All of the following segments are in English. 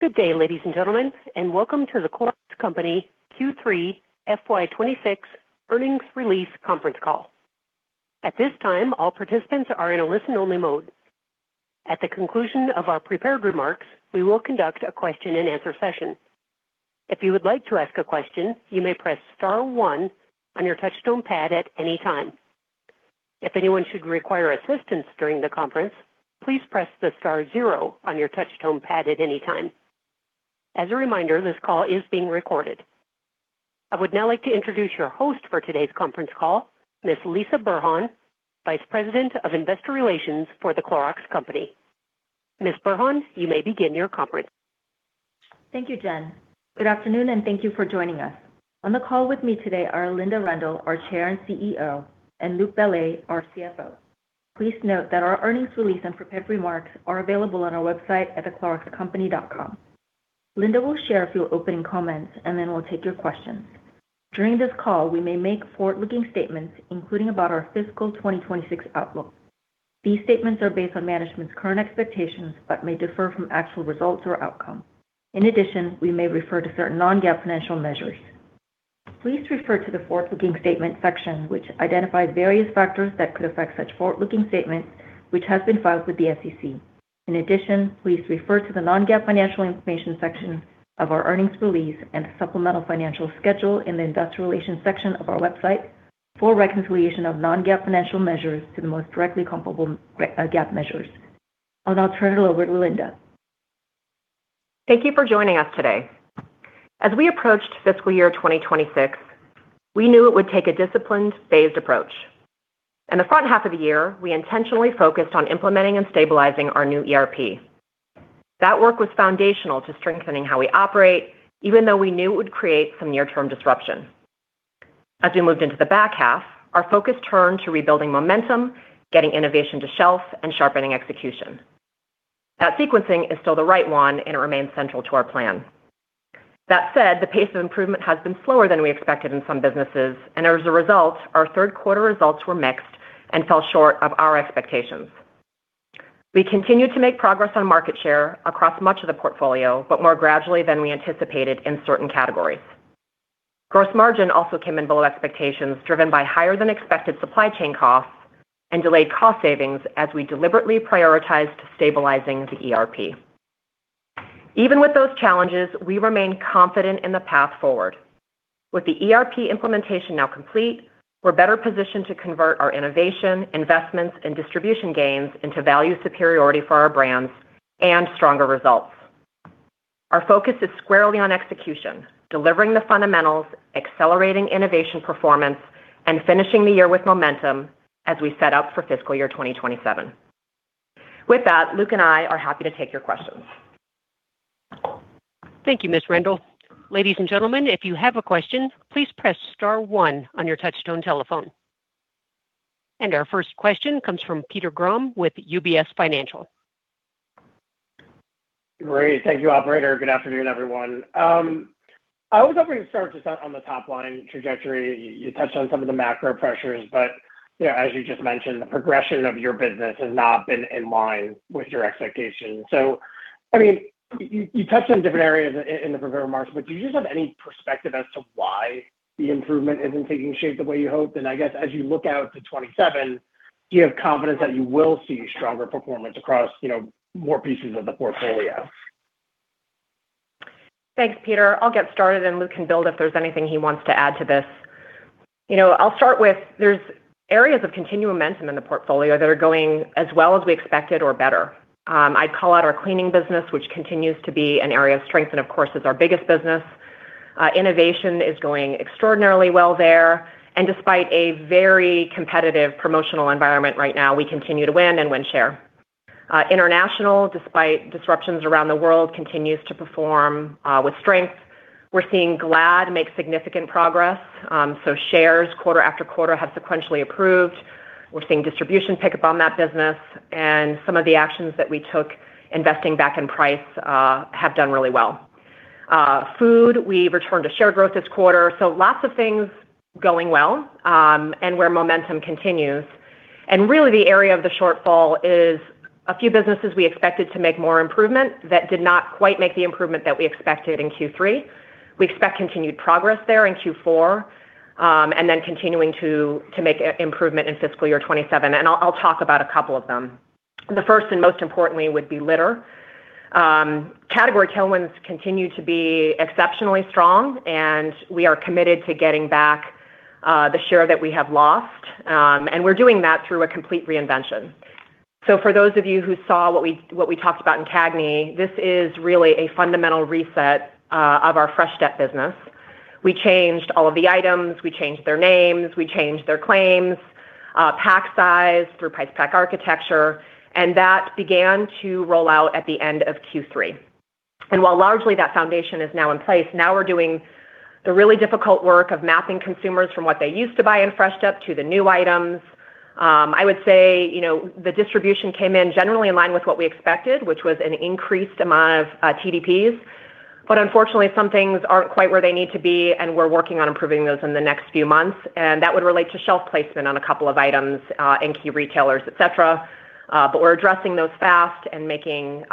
Good day, ladies and gentlemen, welcome to The Clorox Company Q3 FY 2026 earnings release conference call. At this time, all participants are in a listen-only mode. At the conclusion of our prepared remarks, we will conduct a question-and-answer session. If you would like to ask a question, you may press star one on your touch tone pad at any time. If anyone should require assistance during the conference, please press the star zero on your touch tone pad at any time. As a reminder, this call is being recorded. I would now like to introduce your host for today's conference call, Ms. Lisah Burhan, Vice President of Investor Relations for The Clorox Company. Ms. Burhan, you may begin your conference. Thank you, Jen. Good afternoon, and thank you for joining us. On the call with me today are Linda Rendle, our chair and CEO, and Luc Bellet, our CFO. Please note that our earnings release and prepared remarks are available on our website at thecloroxcompany.com. Linda will share a few opening comments, and then we'll take your questions. During this call, we may make forward-looking statements, including about our fiscal 2026 outlook. These statements are based on management's current expectations but may differ from actual results or outcomes. In addition, we may refer to certain non-GAAP financial measures. Please refer to the Forward-Looking Statement section, which identifies various factors that could affect such forward-looking statements, which has been filed with the SEC. In addition, please refer to the Non-GAAP Financial Information section of our earnings release and the supplemental financial schedule in the investor relations section of our website for a reconciliation of non-GAAP financial measures to the most directly comparable GAAP measures. I'll now turn it over to Linda. Thank you for joining us today. As we approached fiscal year 2026, we knew it would take a disciplined, phased approach. In the front half of the year, we intentionally focused on implementing and stabilizing our new ERP. That work was foundational to strengthening how we operate, even though we knew it would create some near-term disruption. As we moved into the back half, our focus turned to rebuilding momentum, getting innovation to shelf, and sharpening execution. That sequencing is still the right 1 and it remains central to our plan. That said, the pace of improvement has been slower than we expected in some businesses, and as a result, our Q3 results were mixed and fell short of our expectations. We continued to make progress on market share across much of the portfolio, but more gradually than we anticipated in certain categories. Gross margin also came in below expectations, driven by higher than expected supply chain costs and delayed cost savings as we deliberately prioritized stabilizing the ERP. Even with those challenges, we remain confident in the path forward. With the ERP implementation now complete, we're better positioned to convert our innovation, investments, and distribution gains into value superiority for our brands and stronger results. Our focus is squarely on execution, delivering the fundamentals, accelerating innovation performance, and finishing the year with momentum as we set up for fiscal year 2027. With that, Luc and I are happy to take your questions. Thank you, Ms. Rendle. Ladies and gentlemen, if you have a question, please press star 1 on your touch tone telephone. Our first question comes from. Great. Thank you, operator. Good afternoon, everyone. I was hoping to start just on the top line trajectory. You touched on some of the macro pressures, you know, as you just mentioned, the progression of your business has not been in line with your expectations. I mean, you touched on different areas in the prepared remarks, do you just have any perspective as to why the improvement isn't taking shape the way you hoped? I guess as you look out to 27, do you have confidence that you will see stronger performance across, you know, more pieces of the portfolio? Thanks, Peter. I'll get started, and Luc can build if there's anything he wants to add to this. You know, I'll start with there's areas of continued momentum in the portfolio that are going as well as we expected or better. I'd call out our cleaning business, which continues to be an area of strength and, of course, is our biggest business. Innovation is going extraordinarily well there. Despite a very competitive promotional environment right now, we continue to win and win share. International, despite disruptions around the world, continues to perform with strength. We're seeing Glad make significant progress. Shares quarter after quarter have sequentially improved. We're seeing distribution pick up on that business and some of the actions that we took investing back in price have done really well. Food, we returned to share growth this quarter, so lots of things going well, and where momentum continues. Really the area of the shortfall is a few businesses we expected to make more improvement that did not quite make the improvement that we expected in Q3. We expect continued progress there in Q4, and then continuing to make improvement in fiscal year 2027, and I'll talk about a couple of them. The first and most importantly would be Litter. Category tailwinds continue to be exceptionally strong, and we are committed to getting back the share that we have lost. We're doing that through a complete reinvention. For those of you who saw what we talked about in CAGNY, this is really a fundamental reset of our Fresh Step business. We changed all of the items, we changed their names, we changed their claims, pack size through price pack architecture, and that began to roll out at the end of Q3. While largely that foundation is now in place, now we're doing the really difficult work of mapping consumers from what they used to buy in Fresh Step to the new items. I would say, you know, the distribution came in generally in line with what we expected, which was an increased amount of TDPs. Unfortunately, some things aren't quite where they need to be, and we're working on improving those in the next few months. That would relate to shelf placement on a couple of items, and key retailers, et cetera. We're addressing those fast and making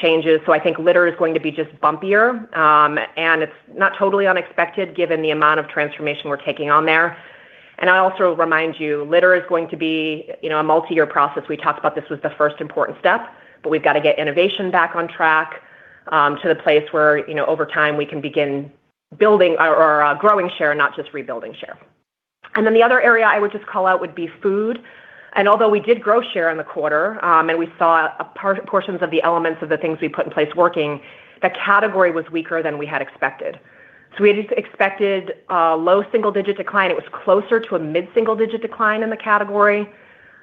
changes. I think litter is going to be just bumpier, and it's not totally unexpected given the amount of transformation we're taking on there. I also remind you, litter is going to be, you know, a multi-year process. We talked about this was the first important step, but we've got to get innovation back on track to the place where, you know, over time, we can begin building or growing share, not just rebuilding share. The other area I would just call out would be food. Although we did grow share in the quarter, and we saw portions of the elements of the things we put in place working, the category was weaker than we had expected. We had expected a low single-digit decline. It was closer to a mid-single digit decline in the category.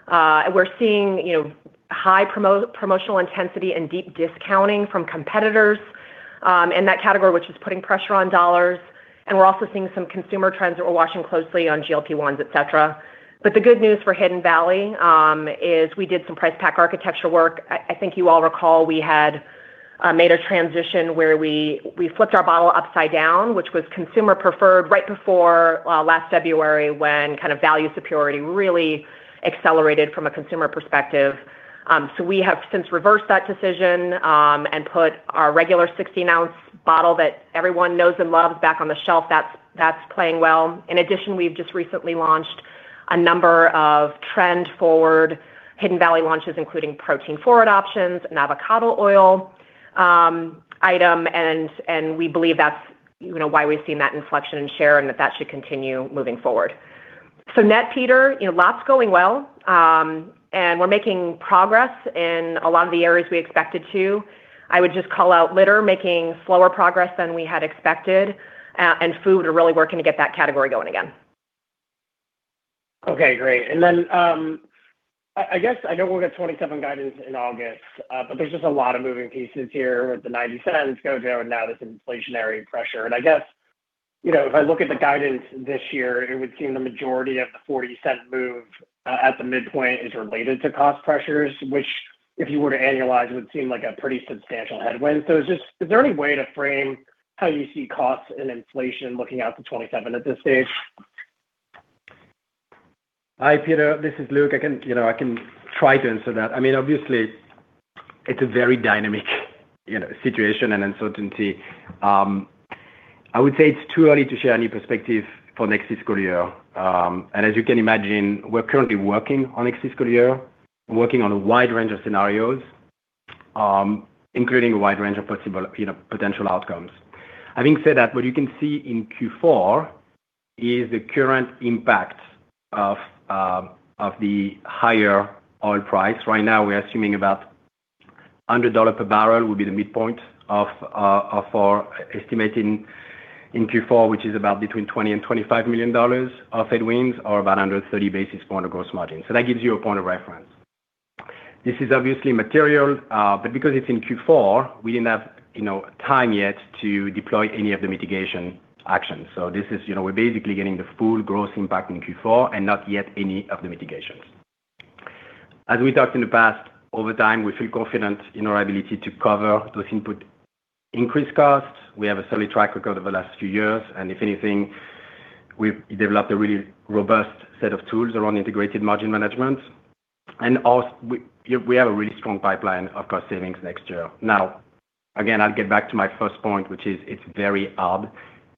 We're seeing, you know, high promotional intensity and deep discounting from competitors in that category, which is putting pressure on dollars. We're also seeing some consumer trends that we're watching closely on GLP-1s, et cetera. The good news for Hidden Valley is we did some price pack architecture work. I think you all recall we had made a transition where we flipped our bottle upside down, which was consumer preferred right before last February, when kind of value superiority really accelerated from a consumer perspective. We have since reversed that decision and put our regular 16-ounce bottle that everyone knows and loves back on the shelf. That's playing well. In addition, we've just recently launched a number of trend forward Hidden Valley launches, including protein forward options, an avocado oil item, and we believe that's, you know, why we've seen that inflection in share and that should continue moving forward. Net, Peter, you know, lots going well, and we're making progress in a lot of the areas we expected to. I would just call out Litter making slower progress than we had expected, and food, we're really working to get that category going again. Okay, great. I guess I know we'll get 2027 guidance in August, but there's just a lot of moving pieces here with the $0.90 GLP-1s and now this inflationary pressure. I guess, you know, if I look at the guidance this year, it would seem the majority of the $0.40 move at the midpoint is related to cost pressures, which if you were to annualize, would seem like a pretty substantial headwind. Just, is there any way to frame how you see costs and inflation looking out to 2027 at this stage? Hi, Peter. This is Luc. I can, you know, I can try to answer that. I mean, obviously it's a very dynamic, you know, situation and uncertainty. I would say it's too early to share any perspective for next fiscal year. As you can imagine, we're currently working on next fiscal year, working on a wide range of scenarios, including a wide range of possible, you know, potential outcomes. Having said that, what you can see in Q4 is the current impact of the higher oil price. Right now, we're assuming about $100 per barrel will be the midpoint of our estimating in Q4, which is about between $20 million and $25 million of headwinds or about 130 basis points of gross margin. That gives you a point of reference. This is obviously material, because it's in Q4, we didn't have, you know, time yet to deploy any of the mitigation actions. This is, you know, we're basically getting the full gross impact in Q4 and not yet any of the mitigations. As we talked in the past, over time, we feel confident in our ability to cover those input increased costs. We have a steady track record over the last few years, if anything, we've developed a really robust set of tools around integrated margin management. We have a really strong pipeline of cost savings next year. Again, I'll get back to my first point, which is it's very hard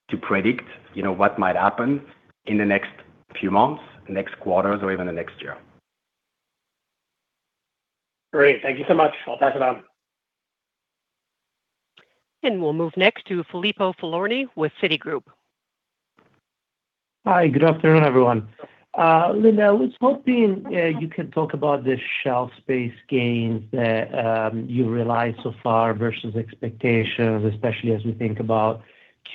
to predict, you know, what might happen in the next few months, next quarters or even the next year. Great. Thank you so much. I'll pass it on. We'll move next to Filippo Falorni with Citigroup. Hi. Good afternoon, everyone. Linda Rendle, I was hoping you could talk about the shelf space gains that you realized so far versus expectations, especially as we think about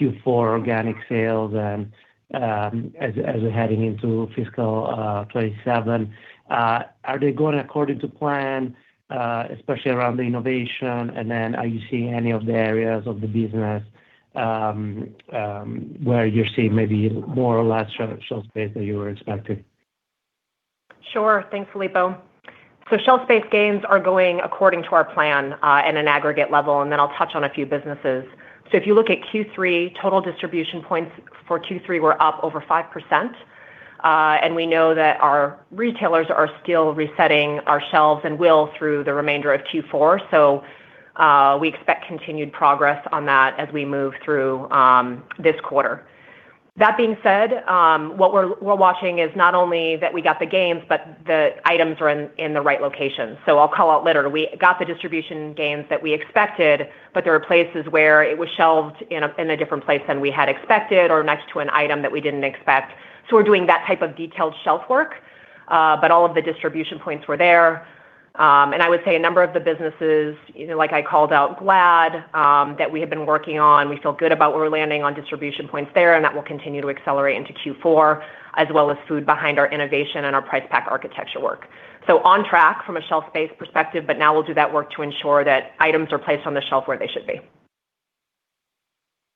Q4 organic sales and as we're heading into fiscal 2027. Are they going according to plan, especially around the innovation? Are you seeing any of the areas of the business where you're seeing maybe more or less shelf space than you were expecting? Sure. Thanks, Filippo. Shelf space gains are going according to our plan at an aggregate level, and then I'll touch on a few businesses. If you look at Q3, Total Distribution Points for Q3 were up over 5%. We know that our retailers are still resetting our shelves and will through the remainder of Q4. We expect continued progress on that as we move through this quarter. That being said, what we're watching is not only that we got the gains, but the items are in the right locations. I'll call out Litter. We got the distribution gains that we expected, but there are places where it was shelved in a different place than we had expected or next to an item that we didn't expect. We're doing that type of detailed shelf work. All of the distribution points were there. I would say a number of the businesses, you know, like I called out Glad, that we have been working on, we feel good about where we're landing on distribution points there, and that will continue to accelerate into Q4, as well as food behind our innovation and our price pack architecture work. On track from a shelf space perspective, but now we'll do that work to ensure that items are placed on the shelf where they should be.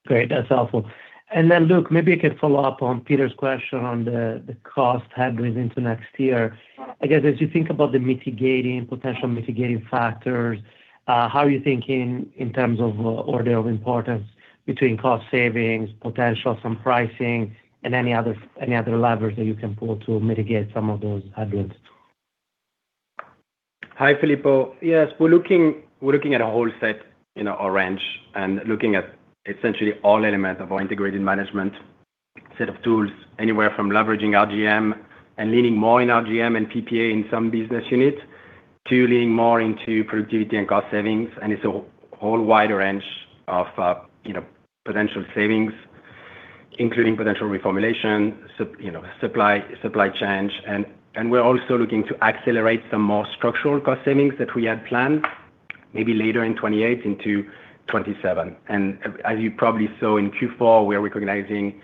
Great. That's helpful. Then Luc, maybe I could follow up on Peter's question on the cost headwinds into next year. I guess, as you think about the mitigating, potential mitigating factors, how are you thinking in terms of order of importance between cost savings, potential, some pricing and any other, any other levers that you can pull to mitigate some of those headwinds? Hi, Filippo. Yes. We're looking at a whole set in our range and looking at essentially all elements of our integrated management set of tools, anywhere from leveraging RGM and leaning more in RGM and PPA in some business units to leaning more into productivity and cost savings. It's a whole wide range of, you know, potential savings, including potential reformulation, you know, supply chain. We're also looking to accelerate some more structural cost savings that we had planned maybe later in 2028 into 2027. As you probably saw in Q4, we are recognizing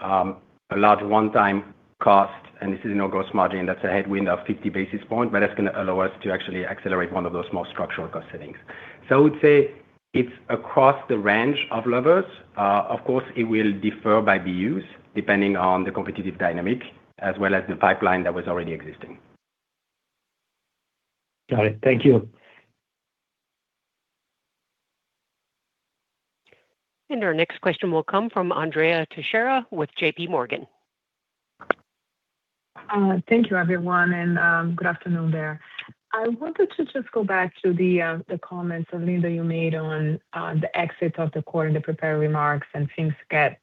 a large one-time cost, and this is in our gross margin. That's a headwind of 50 basis points, but that's going to allow us to actually accelerate one of those more structural cost savings. I would say it's across the range of levers. Of course, it will differ by BUs, depending on the competitive dynamic, as well as the pipeline that was already existing. Got it. Thank you. Our next question will come from Andrea Teixeira with J.P. Morgan. Thank you, everyone, and good afternoon there. I wanted to just go back to the comments, Linda, you made on the exit of the quarter in the prepared remarks and things got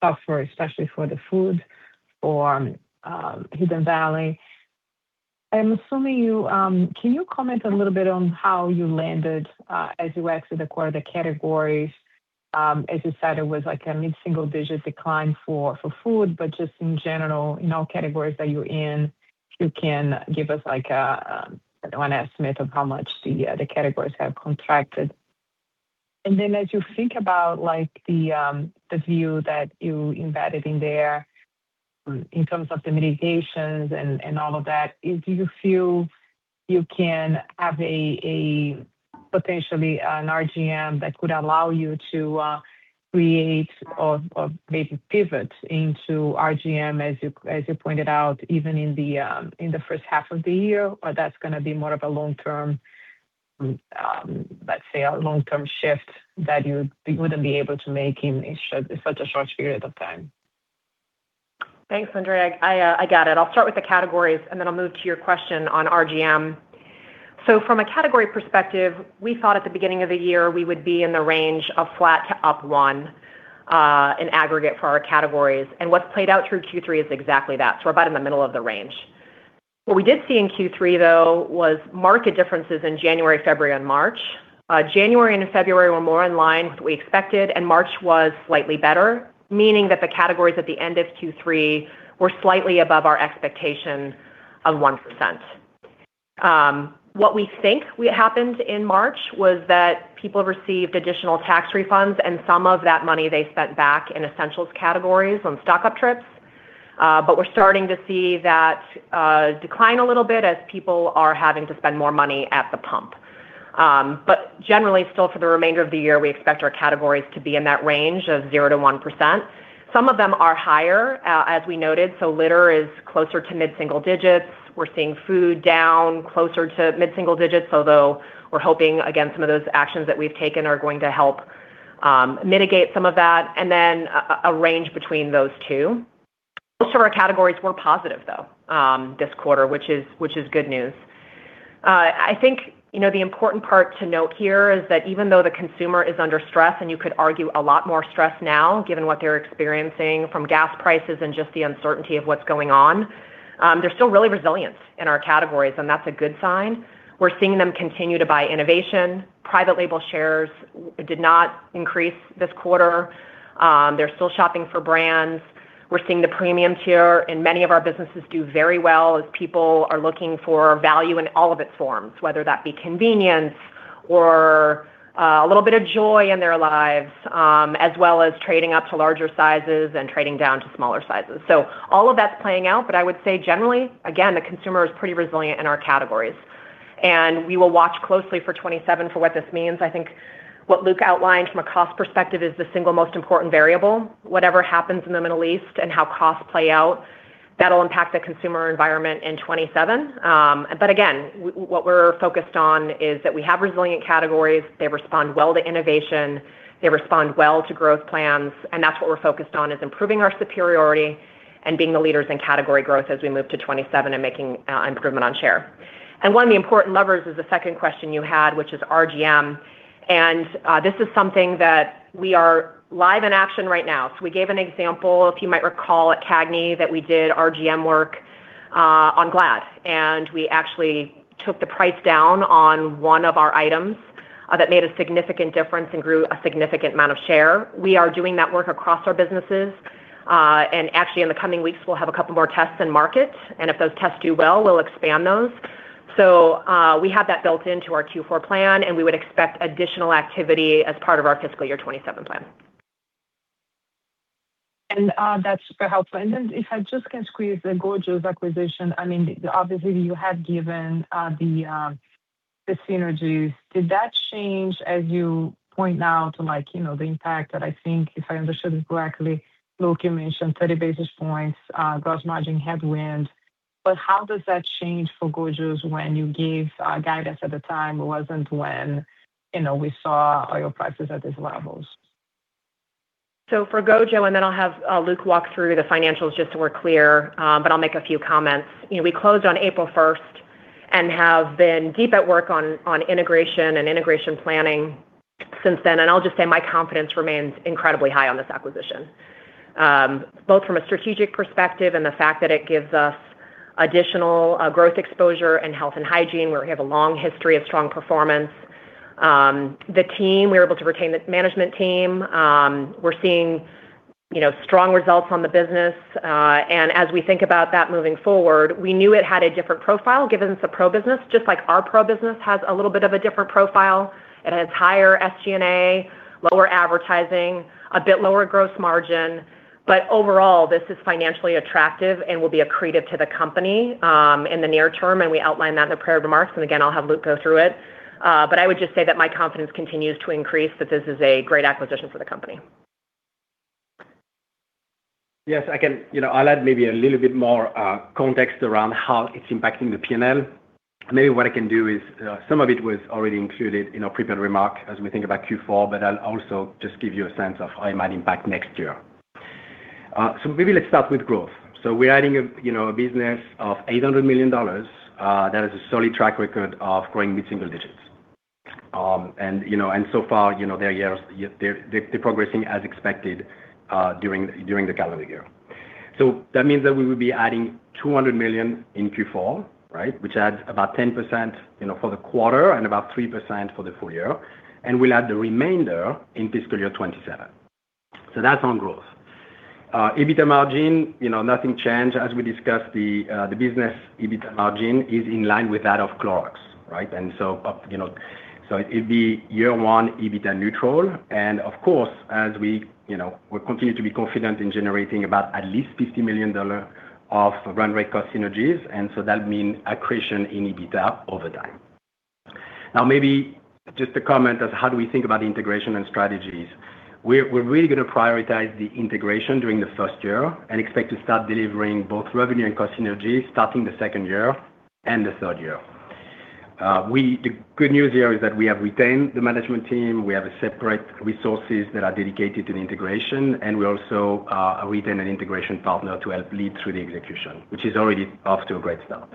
tougher, especially for the food or Hidden Valley. I'm assuming you. Can you comment a little bit on how you landed as you exit the quarter, the categories? As you said, it was like a mid-single-digit decline for food, but just in general, in all categories that you're in, if you can give us like an estimate of how much the categories have contracted. As you think about, like, the view that you embedded in there in terms of the mitigations and all of that, do you feel you can have a potentially an RGM that could allow you to create or maybe pivot into RGM as you pointed out, even in the first half of the year, or that's gonna be more of a long term, let's say a long-term shift that you wouldn't be able to make in such a short period of time? Thanks, Andrea. I got it. I'll start with the categories, then I'll move to your question on RGM. From a category perspective, we thought at the beginning of the year, we would be in the range of flat to up 1 in aggregate for our categories. What's played out through Q3 is exactly that. We're about in the middle of the range. What we did see in Q3, though, was market differences in January, February, and March. January and February were more in line with what we expected, and March was slightly better, meaning that the categories at the end of Q3 were slightly above our expectation of 1%. What we think happened in March was that people received additional tax refunds and some of that money they spent back in essentials categories on stock-up trips. We're starting to see that decline a little bit as people are having to spend more money at the pump. Generally, still for the remainder of the year, we expect our categories to be in that range of 0%-1%. Some of them are higher, as we noted. Litter is closer to mid-single digits. We're seeing food down closer to mid-single digits, although we're hoping, again, some of those actions that we've taken are going to help mitigate some of that. Then a range between those two. Most of our categories were positive, though, this quarter, which is good news. I think, you know, the important part to note here is that even though the consumer is under stress, and you could argue a lot more stress now, given what they're experiencing from gas prices and just the uncertainty of what's going on, they're still really resilient in our categories, and that's a good sign. We're seeing them continue to buy innovation. Private label shares did not increase this quarter. They're still shopping for brands. We're seeing the premium tier in many of our businesses do very well as people are looking for value in all of its forms, whether that be convenience or a little bit of joy in their lives, as well as trading up to larger sizes and trading down to smaller sizes. All of that's playing out, but I would say generally, again, the consumer is pretty resilient in our categories. We will watch closely for 2027 for what this means. I think what Luc outlined from a cost perspective is the single most important variable. Whatever happens in the Middle East and how costs play out, that'll impact the consumer environment in 2027. But again, what we're focused on is that we have resilient categories. They respond well to innovation, they respond well to growth plans, and that's what we're focused on, is improving our superiority and being the leaders in category growth as we move to 2027 and making improvement on share. One of the important levers is the second question you had, which is RGM. This is something that we are live in action right now. We gave an example, if you might recall at CAGNY, that we did RGM work on Glad, and we actually took the price down on one of our items that made a significant difference and grew a significant amount of share. We are doing that work across our businesses. Actually in the coming weeks, we'll have a couple more tests in market, and if those tests do well, we'll expand those. We have that built into our Q4 plan, and we would expect additional activity as part of our fiscal year 2027 plan. That's super helpful. If I just can squeeze the GOJO's acquisition. I mean, obviously you have given the synergies. Did that change as you point now to, like, you know, the impact that I think, if I understood it correctly, Luc, you mentioned 30 basis points gross margin headwind. How does that change for GOJO's when you gave guidance at the time wasn't when, you know, we saw oil prices at these levels? For GOJO, and then I'll have Luc walk through the financials just so we're clear, but I'll make a few comments. You know, we closed on April 1st and have been deep at work on integration and integration planning since then. I'll just say my confidence remains incredibly high on this acquisition, both from a strategic perspective and the fact that it gives us additional growth exposure in health and hygiene, where we have a long history of strong performance. The team, we were able to retain the management team. We're seeing, you know, strong results on the business. As we think about that moving forward, we knew it had a different profile, given it's a pro business, just like our pro business has a little bit of a different profile. It has higher SG&A, lower advertising, a bit lower gross margin. Overall, this is financially attractive and will be accretive to the company in the near term, and we outlined that in the prepared remarks. Again, I'll have Luc go through it. I would just say that my confidence continues to increase, that this is a great acquisition for the company. Yes, I can. You know, I'll add maybe a little bit more context around how it's impacting the P&L. Maybe what I can do is, some of it was already included in our prepared remark as we think about Q4. I'll also just give you a sense of how it might impact next year. Maybe let's start with growth. We're adding a, you know, a business of $800 million that has a solid track record of growing mid-single digits. You know, so far, you know, they're progressing as expected during the calendar year. That means that we will be adding $200 million in Q4, right? Which adds about 10%, you know, for the quarter and about 3% for the full year. We'll add the remainder in fiscal year 2027. That's on growth. EBITDA margin, you know, nothing changed. As we discussed, the business EBITDA margin is in line with that of Clorox, right? You know, it'd be year 1 EBITDA neutral. As we, you know, we're continuing to be confident in generating about at least $50 million of run rate cost synergies, that means accretion in EBITDA over time. Maybe just a comment as how do we think about integration and strategies. We're really gonna prioritize the integration during the first year and expect to start delivering both revenue and cost synergies starting the second year and the third year. The good news here is that we have retained the management team. We have separate resources that are dedicated to the integration, and we also retained an integration partner to help lead through the execution, which is already off to a great start.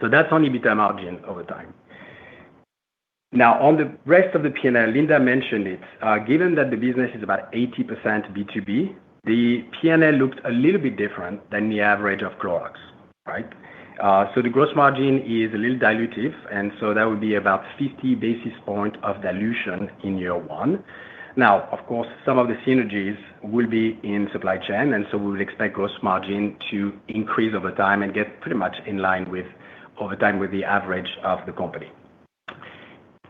That's on EBITDA margin over time. On the rest of the P&L, Linda mentioned it. Given that the business is about 80% B2B, the P&L looked a little bit different than the average of Clorox, right? The gross margin is a little dilutive, and so that would be about 50 basis points of dilution in year 1. Of course, some of the synergies will be in supply chain, and so we would expect gross margin to increase over time and get pretty much in line with, over time, with the average of the company.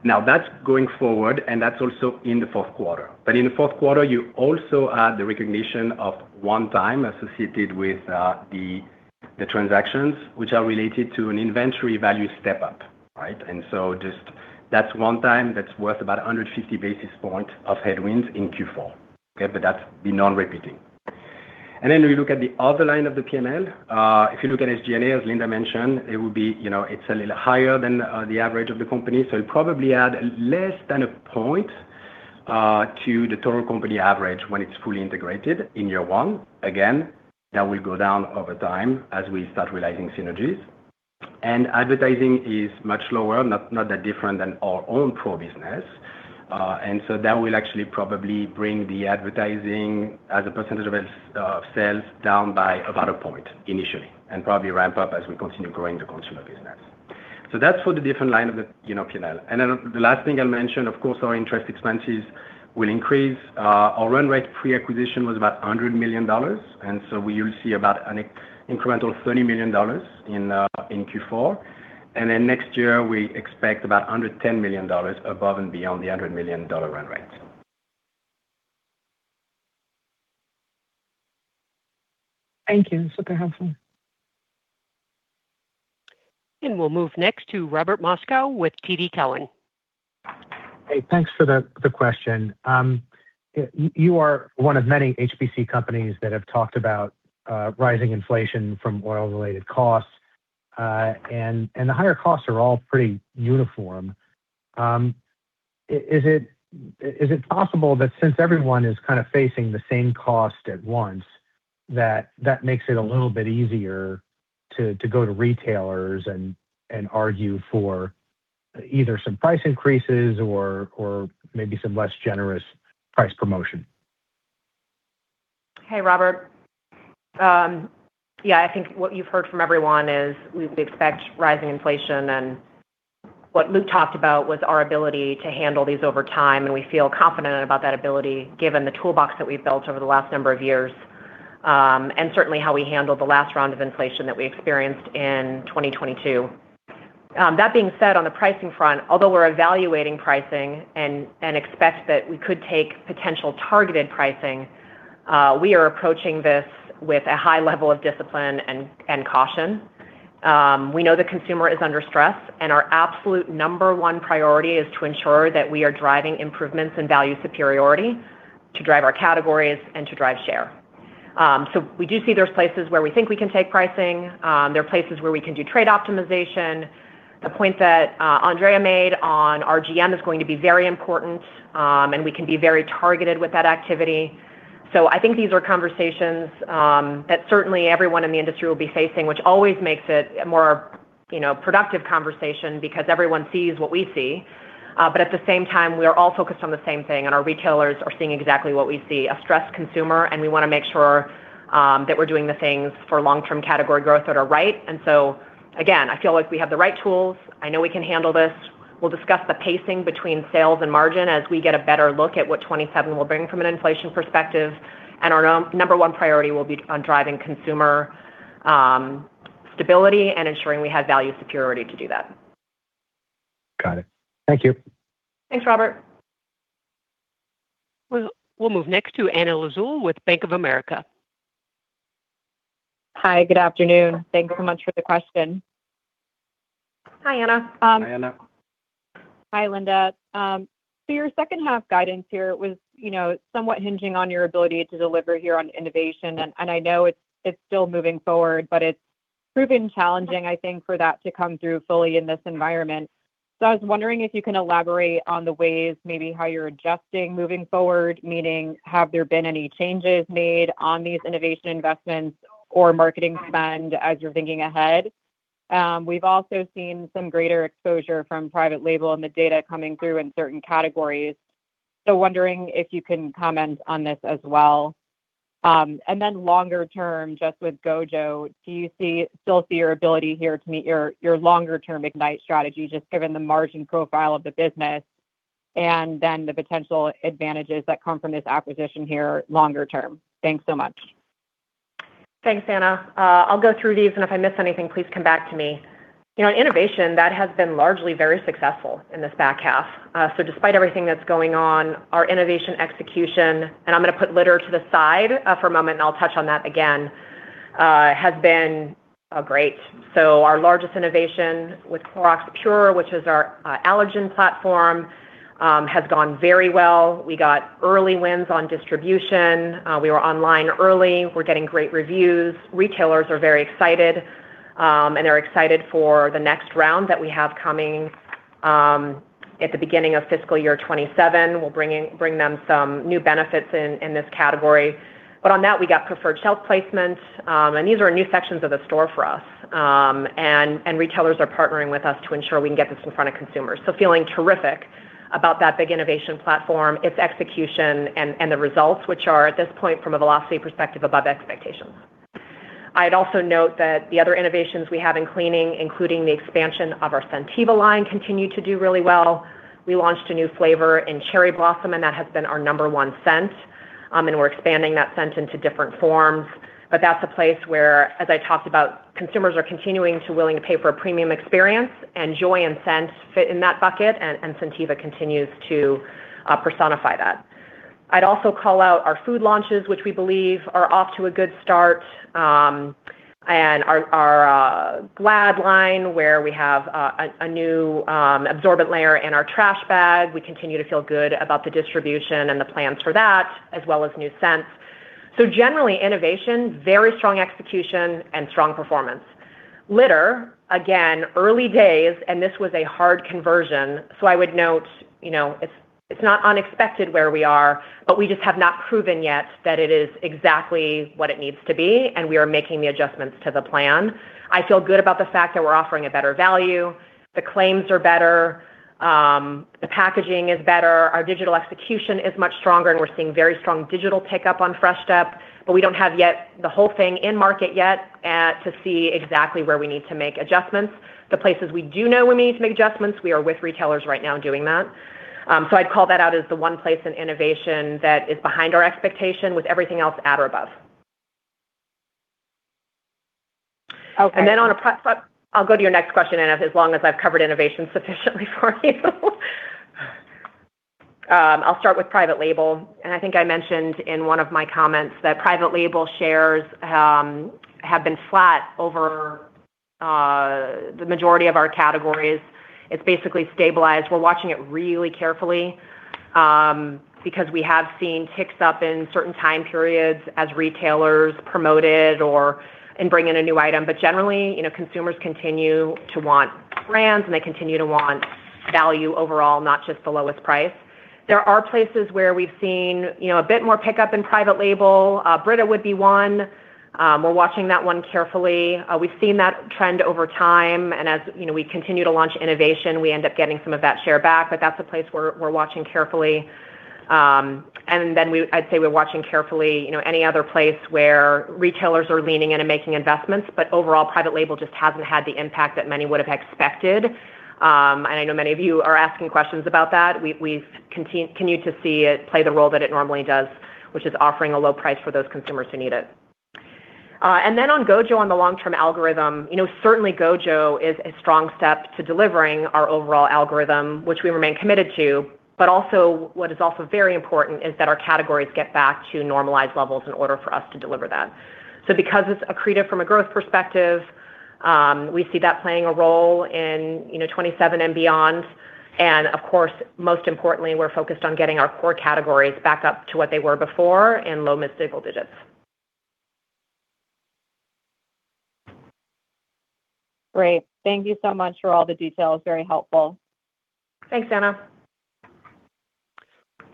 That's going forward, and that's also in the Q4. In the Q4, you also add the recognition of one time associated with the transactions which are related to an inventory value step-up, right? Just that's one time that's worth about 150 basis points of headwinds in Q4. Okay. That's the non-repeating. We look at the other line of the P&L. If you look at SG&A, as Linda mentioned, it will be, you know, it's a little higher than the average of the company. It'll probably add less than a point to the total company average when it's fully integrated in year one. Again, that will go down over time as we start realizing synergies. Advertising is much lower, not that different than our own pro business. That will actually probably bring the advertising as a percentage of sales down by about 1 point initially, and probably ramp up as we continue growing the consumer business. That's for the different line of the, you know, P&L. The last thing I'll mention, of course, our interest expenses will increase. Our run rate pre-acquisition was about $100 million, and so we will see about an incremental $30 million in Q4. Next year we expect about $110 million above and beyond the $100 million run rate. Thank you. Super helpful. We'll move next to Robert Moskow with TD Cowen. Thanks for the question. You are one of many HPC companies that have talked about rising inflation from oil-related costs, and the higher costs are all pretty uniform. Is it possible that since everyone is kind of facing the same cost at once, that makes it a little bit easier to go to retailers and argue for either some price increases or maybe some less generous price promotion? Hey, Robert. Yeah, I think what you've heard from everyone is we expect rising inflation. What Luc talked about was our ability to handle these over time. We feel confident about that ability given the toolbox that we've built over the last number of years, certainly how we handled the last round of inflation that we experienced in 2022. That being said, on the pricing front, although we're evaluating pricing and expect that we could take potential targeted pricing, we are approaching this with a high level of discipline and caution. We know the consumer is under stress, and our absolute number 1 priority is to ensure that we are driving improvements in value superiority to drive our categories and to drive share. We do see there's places where we think we can take pricing. There are places where we can do trade optimization. The point that Andrea made on RGM is going to be very important, and we can be very targeted with that activity. I think these are conversations that certainly everyone in the industry will be facing, which always makes it a more, you know, productive conversation because everyone sees what we see. But at the same time, we are all focused on the same thing, and our retailers are seeing exactly what we see, a stressed consumer, and we want to make sure that we're doing the things for long-term category growth that are right. Again, I feel like we have the right tools. I know we can handle this. We'll discuss the pacing between sales and margin as we get a better look at what 27 will bring from an inflation perspective. Our number one priority will be on driving consumer stability and ensuring we have value security to do that. Got it. Thank you. Thanks, Robert. We'll move next to Anna Lizzul with Bank of America. Hi, good afternoon. Thanks so much for the question. Hi, Anna. Hi, Anna. Hi, Linda. Your second half guidance here was, you know, somewhat hinging on your ability to deliver here on innovation. I know it's still moving forward, but it's proven challenging, I think, for that to come through fully in this environment. I was wondering if you can elaborate on the ways maybe how you're adjusting moving forward, meaning have there been any changes made on these innovation investments or marketing spend as you're thinking ahead? We've also seen some greater exposure from private label and the data coming through in certain categories. Wondering if you can comment on this as well. Then longer term, just with Gojo, do you see, still see your ability here to meet your longer term Ignite strategy, just given the margin profile of the business and then the potential advantages that come from this acquisition here longer term? Thanks so much. Thanks, Anna. I'll go through these, and if I miss anything, please come back to me. You know, in innovation, that has been largely very successful in this back half. Despite everything that's going on, our innovation execution, and I'm gonna put Litter to the side, for a moment and I'll touch on that again, has been great. Our largest innovation with Clorox PURE, which is our allergen platform, has gone very well. We got early wins on distribution. We were online early. We're getting great reviews. Retailers are very excited, and they're excited for the next round that we have coming at the beginning of fiscal year 2027. We'll bring them some new benefits in this category. On that, we got preferred shelf placements, and these are new sections of the store for us. Retailers are partnering with us to ensure we can get this in front of consumers. Feeling terrific about that big innovation platform, its execution, and the results, which are, at this point, from a velocity perspective, above expectations. I'd also note that the other innovations we have in cleaning, including the expansion of our Scentiva line, continue to do really well. We launched a new flavor in Cherry Blossom, and that has been our number 1 scent. We're expanding that scent into different forms. That's a place where, as I talked about, consumers are continuing to willing to pay for a premium experience, and joy and scent fit in that bucket, and Scentiva continues to personify that. I'd also call out our food launches, which we believe are off to a good start, and our Glad line, where we have a new absorbent layer in our trash bag. We continue to feel good about the distribution and the plans for that, as well as new scents. Generally, innovation, very strong execution and strong performance. Litter, again, early days, and this was a hard conversion, so I would note, it's not unexpected where we are, but we just have not proven yet that it is exactly what it needs to be, and we are making the adjustments to the plan. I feel good about the fact that we're offering a better value. The claims are better. The packaging is better. Our digital execution is much stronger, and we're seeing very strong digital pickup on Fresh Step, but we don't have yet the whole thing in market yet to see exactly where we need to make adjustments. The places we do know we need to make adjustments, we are with retailers right now doing that. I'd call that out as the one place in innovation that is behind our expectation with everything else at or above. Okay. I'll go to your next question, Anna, as long as I've covered innovation sufficiently for you. I'll start with private label. I think I mentioned in one of my comments that private label shares have been flat over the majority of our categories. It's basically stabilized. We're watching it really carefully because we have seen ticks up in certain time periods as retailers promote it and bring in a new item. Generally, you know, consumers continue to want brands, and they continue to want value overall, not just the lowest price. There are places where we've seen, you know, a bit more pickup in private label. Brita would be one. We're watching that one carefully. We've seen that trend over time, and as, you know, we continue to launch innovation, we end up getting some of that share back. That's a place we're watching carefully. I'd say we're watching carefully, you know, any other place where retailers are leaning in and making investments. Overall, private label just hasn't had the impact that many would have expected. I know many of you are asking questions about that. We've continued to see it play the role that it normally does, which is offering a low price for those consumers who need it. On GOJO on the long-term algorithm, you know, certainly GOJO is a strong step to delivering our overall algorithm, which we remain committed to. What is also very important is that our categories get back to normalized levels in order for us to deliver that. Because it's accretive from a growth perspective, we see that playing a role in, you know, 2027 and beyond. Of course, most importantly, we're focused on getting our core categories back up to what they were before in low mid-single digits. Great. Thank you so much for all the details. Very helpful. Thanks, Anna.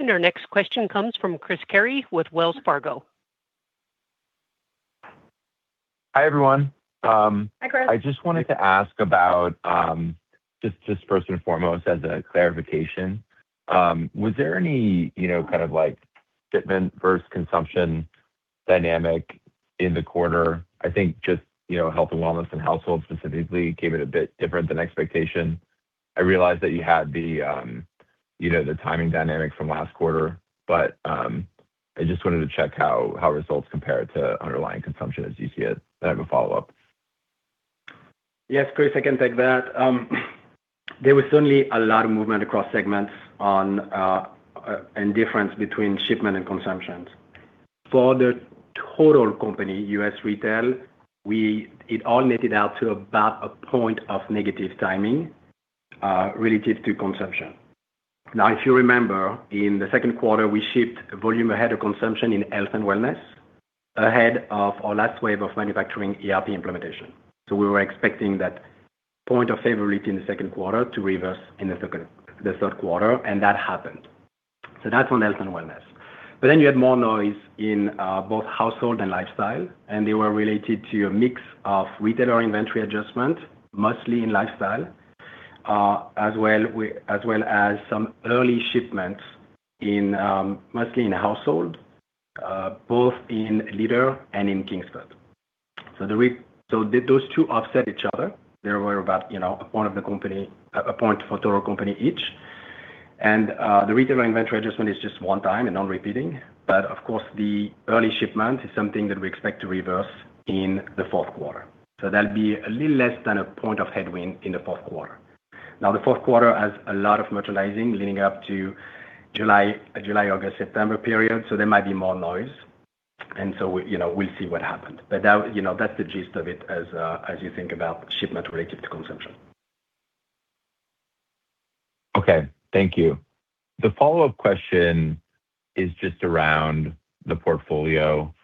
Our next question comes from Chris Carey with Wells Fargo. Hi, everyone. Hi, Chris. I just wanted to ask about, just first and foremost as a clarification, was there any, you know, kind of like shipment versus consumption dynamic in the quarter? I think just, you know, health and wellness and household specifically came in a bit different than expectation. I realize that you had the, you know, the timing dynamic from last quarter, but I just wanted to check how results compare to underlying consumption as you see it. I have a follow-up. Yes, Chris, I can take that. There was certainly a lot of movement across segments on difference between shipment and consumptions. For the total company, US Retail, it all netted out to about 1 point of negative timing related to consumption. If you remember, in the Q2, we shipped volume ahead of consumption in health and wellness, ahead of our last wave of manufacturing ERP implementation. We were expecting that point of favoriting the Q2 to reverse in the Q3, and that happened. That's on health and wellness. You had more noise in both household and lifestyle, and they were related to a mix of retailer inventory adjustment, mostly in lifestyle, as well as some early shipments in mostly in household, both in Litter and in Kingsford. Those two offset each other. They were about, you know, a point for total company each. The retailer inventory adjustment is just one time and non-repeating. Of course, the early shipment is something that we expect to reverse in the Q4. That'll be a little less than a point of headwind in the Q4. The Q4 has a lot of merchandising leading up to July, August, September period, so there might be more noise. We, you know, we'll see what happens. That, you know, that's the gist of it as you think about shipment related to consumption. Okay. Thank you. The follow-up question is just around the portfolio.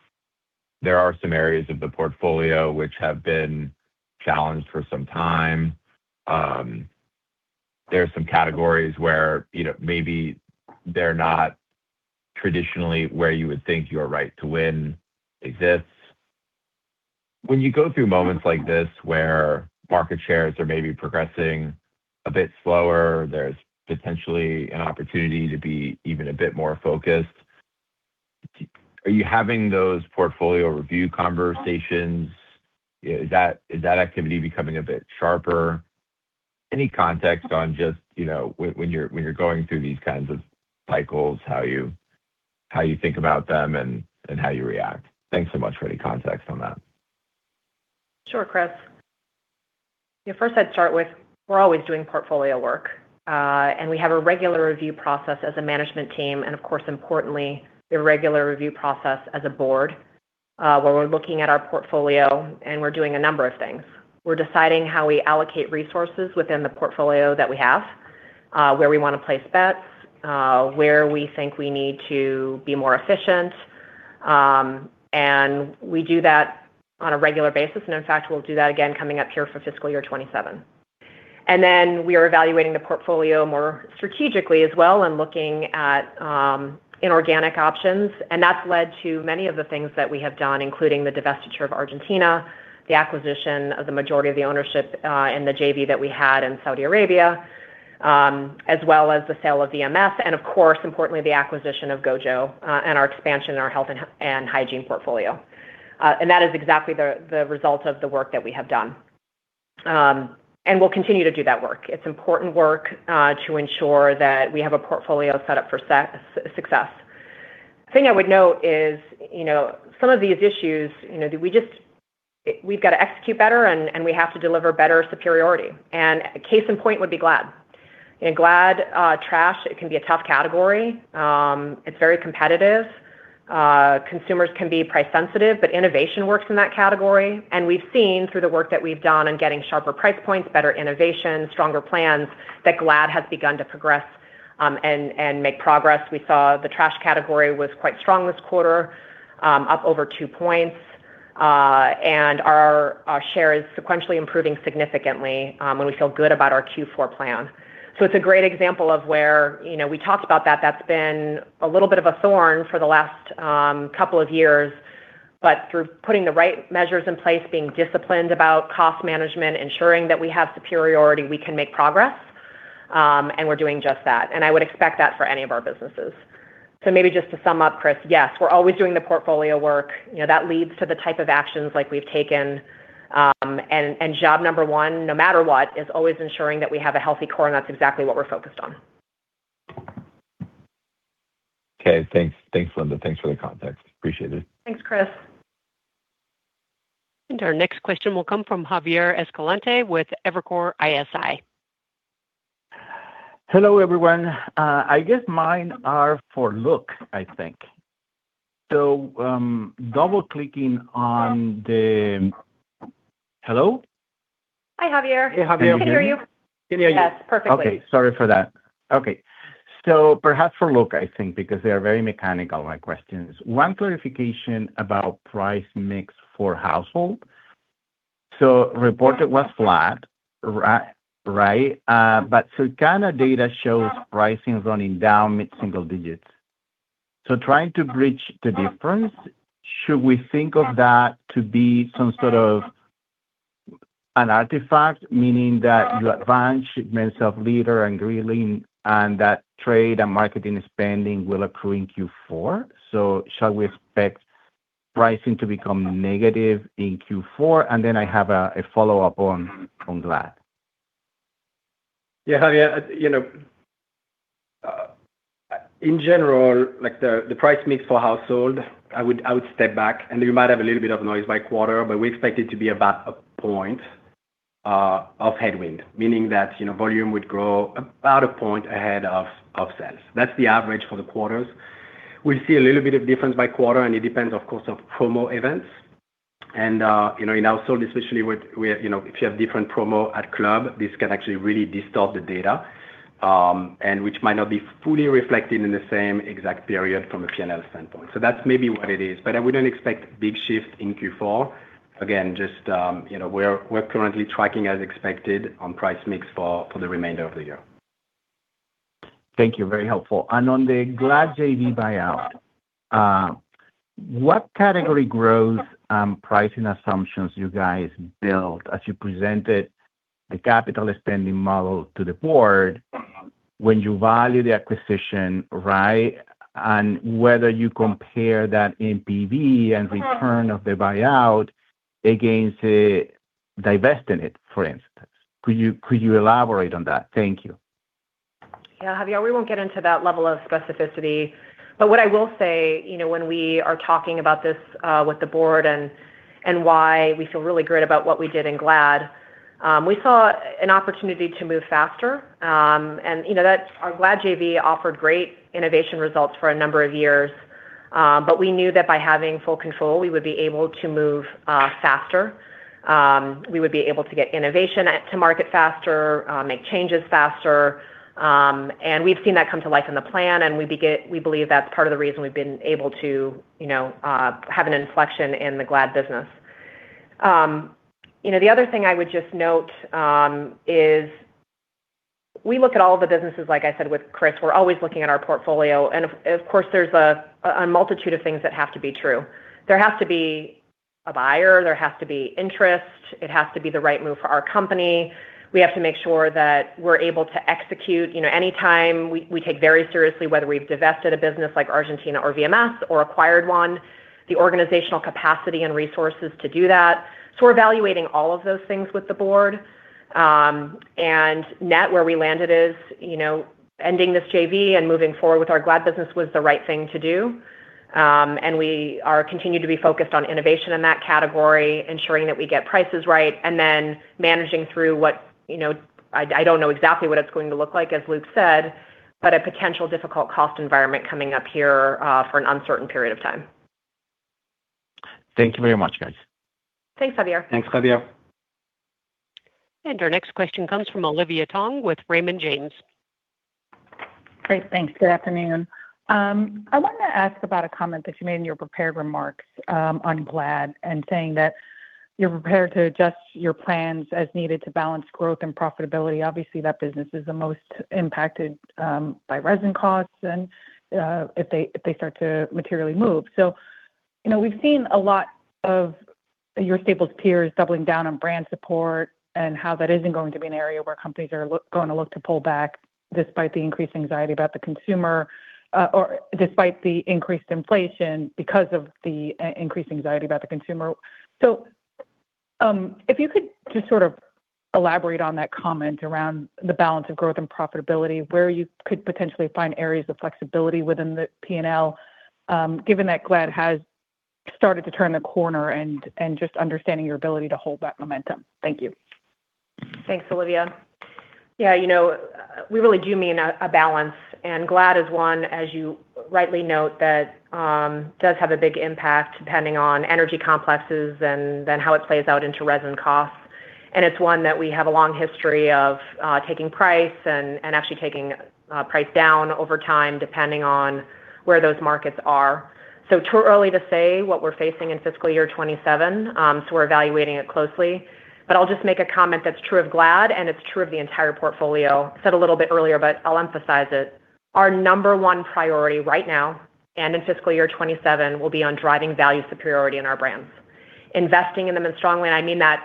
There are some areas of the portfolio which have been challenged for some time. There are some categories where, you know, maybe they're not traditionally where you would think your right to win exists. When you go through moments like this where market shares are maybe progressing a bit slower, there's potentially an opportunity to be even a bit more focused, are you having those portfolio review conversations? Is that activity becoming a bit sharper? Any context on just, you know, when you're going through these kinds of cycles, how you, how you think about them and how you react? Thanks so much for any context on that. Sure, Chris. Yeah, first I'd start with, we're always doing portfolio work, and we have a regular review process as a management team, and of course, importantly, the regular review process as a board, where we're looking at our portfolio and we're doing a number of things. We're deciding how we allocate resources within the portfolio that we have, where we wanna place bets, where we think we need to be more efficient. We do that on a regular basis, and in fact, we'll do that again coming up here for fiscal year 2027. Then we are evaluating the portfolio more strategically as well and looking at inorganic options. That's led to many of the things that we have done, including the divestiture of Argentina, the acquisition of the majority of the ownership, and the JV that we had in Saudi Arabia, as well as the sale of VMS, and of course, importantly, the acquisition of GOJO, and our expansion in our health and hygiene portfolio. That is exactly the result of the work that we have done. We'll continue to do that work. It's important work to ensure that we have a portfolio set up for success. The thing I would note is, you know, some of these issues, you know, we've got to execute better and we have to deliver better superiority. Case in point would be Glad. You know, Glad, trash, it can be a tough category. It's very competitive. Consumers can be price sensitive, but innovation works in that category. We've seen through the work that we've done on getting sharper price points, better innovation, stronger plans, that Glad has begun to progress and make progress. We saw the trash category was quite strong this quarter, up over 2 points. Our share is sequentially improving significantly, and we feel good about our Q4 plan. It's a great example of where, you know, we talked about that. That's been a little bit of a thorn for the last couple of years. Through putting the right measures in place, being disciplined about cost management, ensuring that we have superiority, we can make progress, and we're doing just that. I would expect that for any of our businesses. Maybe just to sum up, Chris, yes, we're always doing the portfolio work. You know, that leads to the type of actions like we've taken. And job number 1, no matter what, is always ensuring that we have a healthy core, and that's exactly what we're focused on. Okay, thanks. Thanks, Linda. Thanks for the context. Appreciate it. Thanks, Chris. Our next question will come from Javier Escalante with Evercore ISI. Hello, everyone. I guess mine are for Luc, I think. Hello? Hi, Javier. Hey, Javier. We can hear you. Can you hear me? Yes, perfectly. Okay, sorry for that. Okay. Perhaps for Luc, I think, because they are very mechanical, my questions. One clarification about price mix for household. Reported was flat, right? Circana data shows pricing running down mid-single digits. Trying to bridge the difference, should we think of that to be some sort of an artifact, meaning that you advance shipments of Litter and grilling, and that trade and marketing spending will accrue in Q4? Shall we expect pricing to become negative in Q4? Then I have a follow-up on Glad. Yeah, Javier, you know, in general, like the price mix for household, I would step back and you might have a little bit of noise by quarter, but we expect it to be about 1 point of headwind, meaning that, you know, volume would grow about 1 point ahead of sales. That's the average for the quarters. We see a little bit of difference by quarter, and it depends, of course, on promo events. In household, especially, we, you know, if you have different promo at club, this can actually really distort the data, and which might not be fully reflected in the same exact period from a P&L standpoint. That's maybe what it is. I wouldn't expect big shift in Q4. Again, just, you know, we're currently tracking as expected on price mix for the remainder of the year. Thank you. Very helpful. On the Glad JV buyout, what category growth, pricing assumptions you guys built as you presented the capital spending model to the board when you value the acquisition, right, and whether you compare that in PB and return of the buyout against divesting it, for instance? Could you elaborate on that? Thank you. Yeah, Javier, we won't get into that level of specificity. What I will say, you know, when we are talking about this with the board and why we feel really great about what we did in Glad, we saw an opportunity to move faster. You know, that our Glad JV offered great innovation results for a number of years. We knew that by having full control, we would be able to move faster. We would be able to get innovation to market faster, make changes faster. We've seen that come to life in the plan, and we believe that's part of the reason we've been able to, you know, have an inflection in the Glad business. You know, the other thing I would just note, is we look at all the businesses, like I said with Chris, we're always looking at our portfolio. Of course, there's a multitude of things that have to be true. There has to be a buyer, there has to be interest, it has to be the right move for our company. We have to make sure that we're able to execute. You know, anytime we take very seriously whether we've divested a business like Argentina or VMS or acquired one, the organizational capacity and resources to do that. We're evaluating all of those things with the board. Net, where we landed is, you know, ending this JV and moving forward with our Glad business was the right thing to do. We are continued to be focused on innovation in that category, ensuring that we get prices right, and then managing through what, you know, I don't know exactly what it's going to look like, as Luc said, but a potential difficult cost environment coming up here for an uncertain period of time. Thank you very much, guys. Thanks, Javier. Thanks, Javier. Our next question comes from Olivia Tong with Raymond James. Great. Thanks. Good afternoon. I wanted to ask about a comment that you made in your prepared remarks on Glad and saying that you're prepared to adjust your plans as needed to balance growth and profitability. Obviously, that business is the most impacted by resin costs and if they start to materially move. You know, we've seen a lot of your Consumer Staples peers doubling down on brand support and how that isn't going to be an area where companies are gonna look to pull back despite the increased anxiety about the consumer, or despite the increased inflation because of the increased anxiety about the consumer. If you could just sort of elaborate on that comment around the balance of growth and profitability, where you could potentially find areas of flexibility within the P&L, given that Glad has started to turn the corner and just understanding your ability to hold that momentum? Thank you. Thanks, Olivia. Yeah, you know, we really do mean a balance. Glad is one, as you rightly note, that does have a big impact depending on energy complexes and then how it plays out into resin costs. It's one that we have a long history of taking price and actually taking price down over time, depending on where those markets are. Too early to say what we're facing in fiscal year 2027, so we're evaluating it closely. I'll just make a comment that's true of Glad, and it's true of the entire portfolio. Said a little bit earlier, but I'll emphasize it. Our number one priority right now, and in fiscal year 2027, will be on driving value superiority in our brands, investing in them in a strong way, and I mean that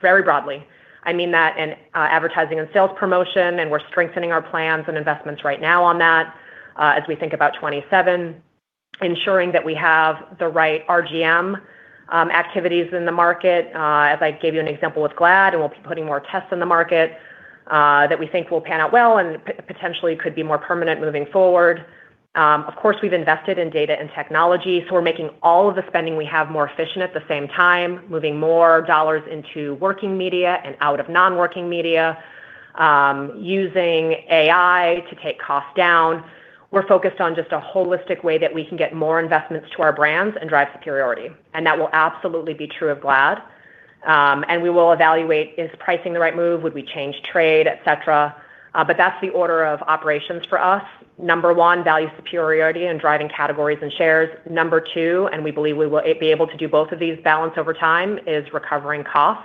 very broadly. I mean that in advertising and sales promotion, we're strengthening our plans and investments right now on that as we think about 27. Ensuring that we have the right RGM activities in the market. As I gave you an example with Glad, we'll be putting more tests in the market that we think will pan out well and potentially could be more permanent moving forward. Of course, we've invested in data and technology, we're making all of the spending we have more efficient at the same time, moving more dollars into working media and out of non-working media, using AI to take costs down. We're focused on just a holistic way that we can get more investments to our brands and drive superiority. That will absolutely be true of Glad. we will evaluate is pricing the right move? Would we change trade, et cetera? That's the order of operations for us. Number 1, value superiority and driving categories and shares. Number 2, and we believe we will be able to do both of these balance over time, is recovering costs.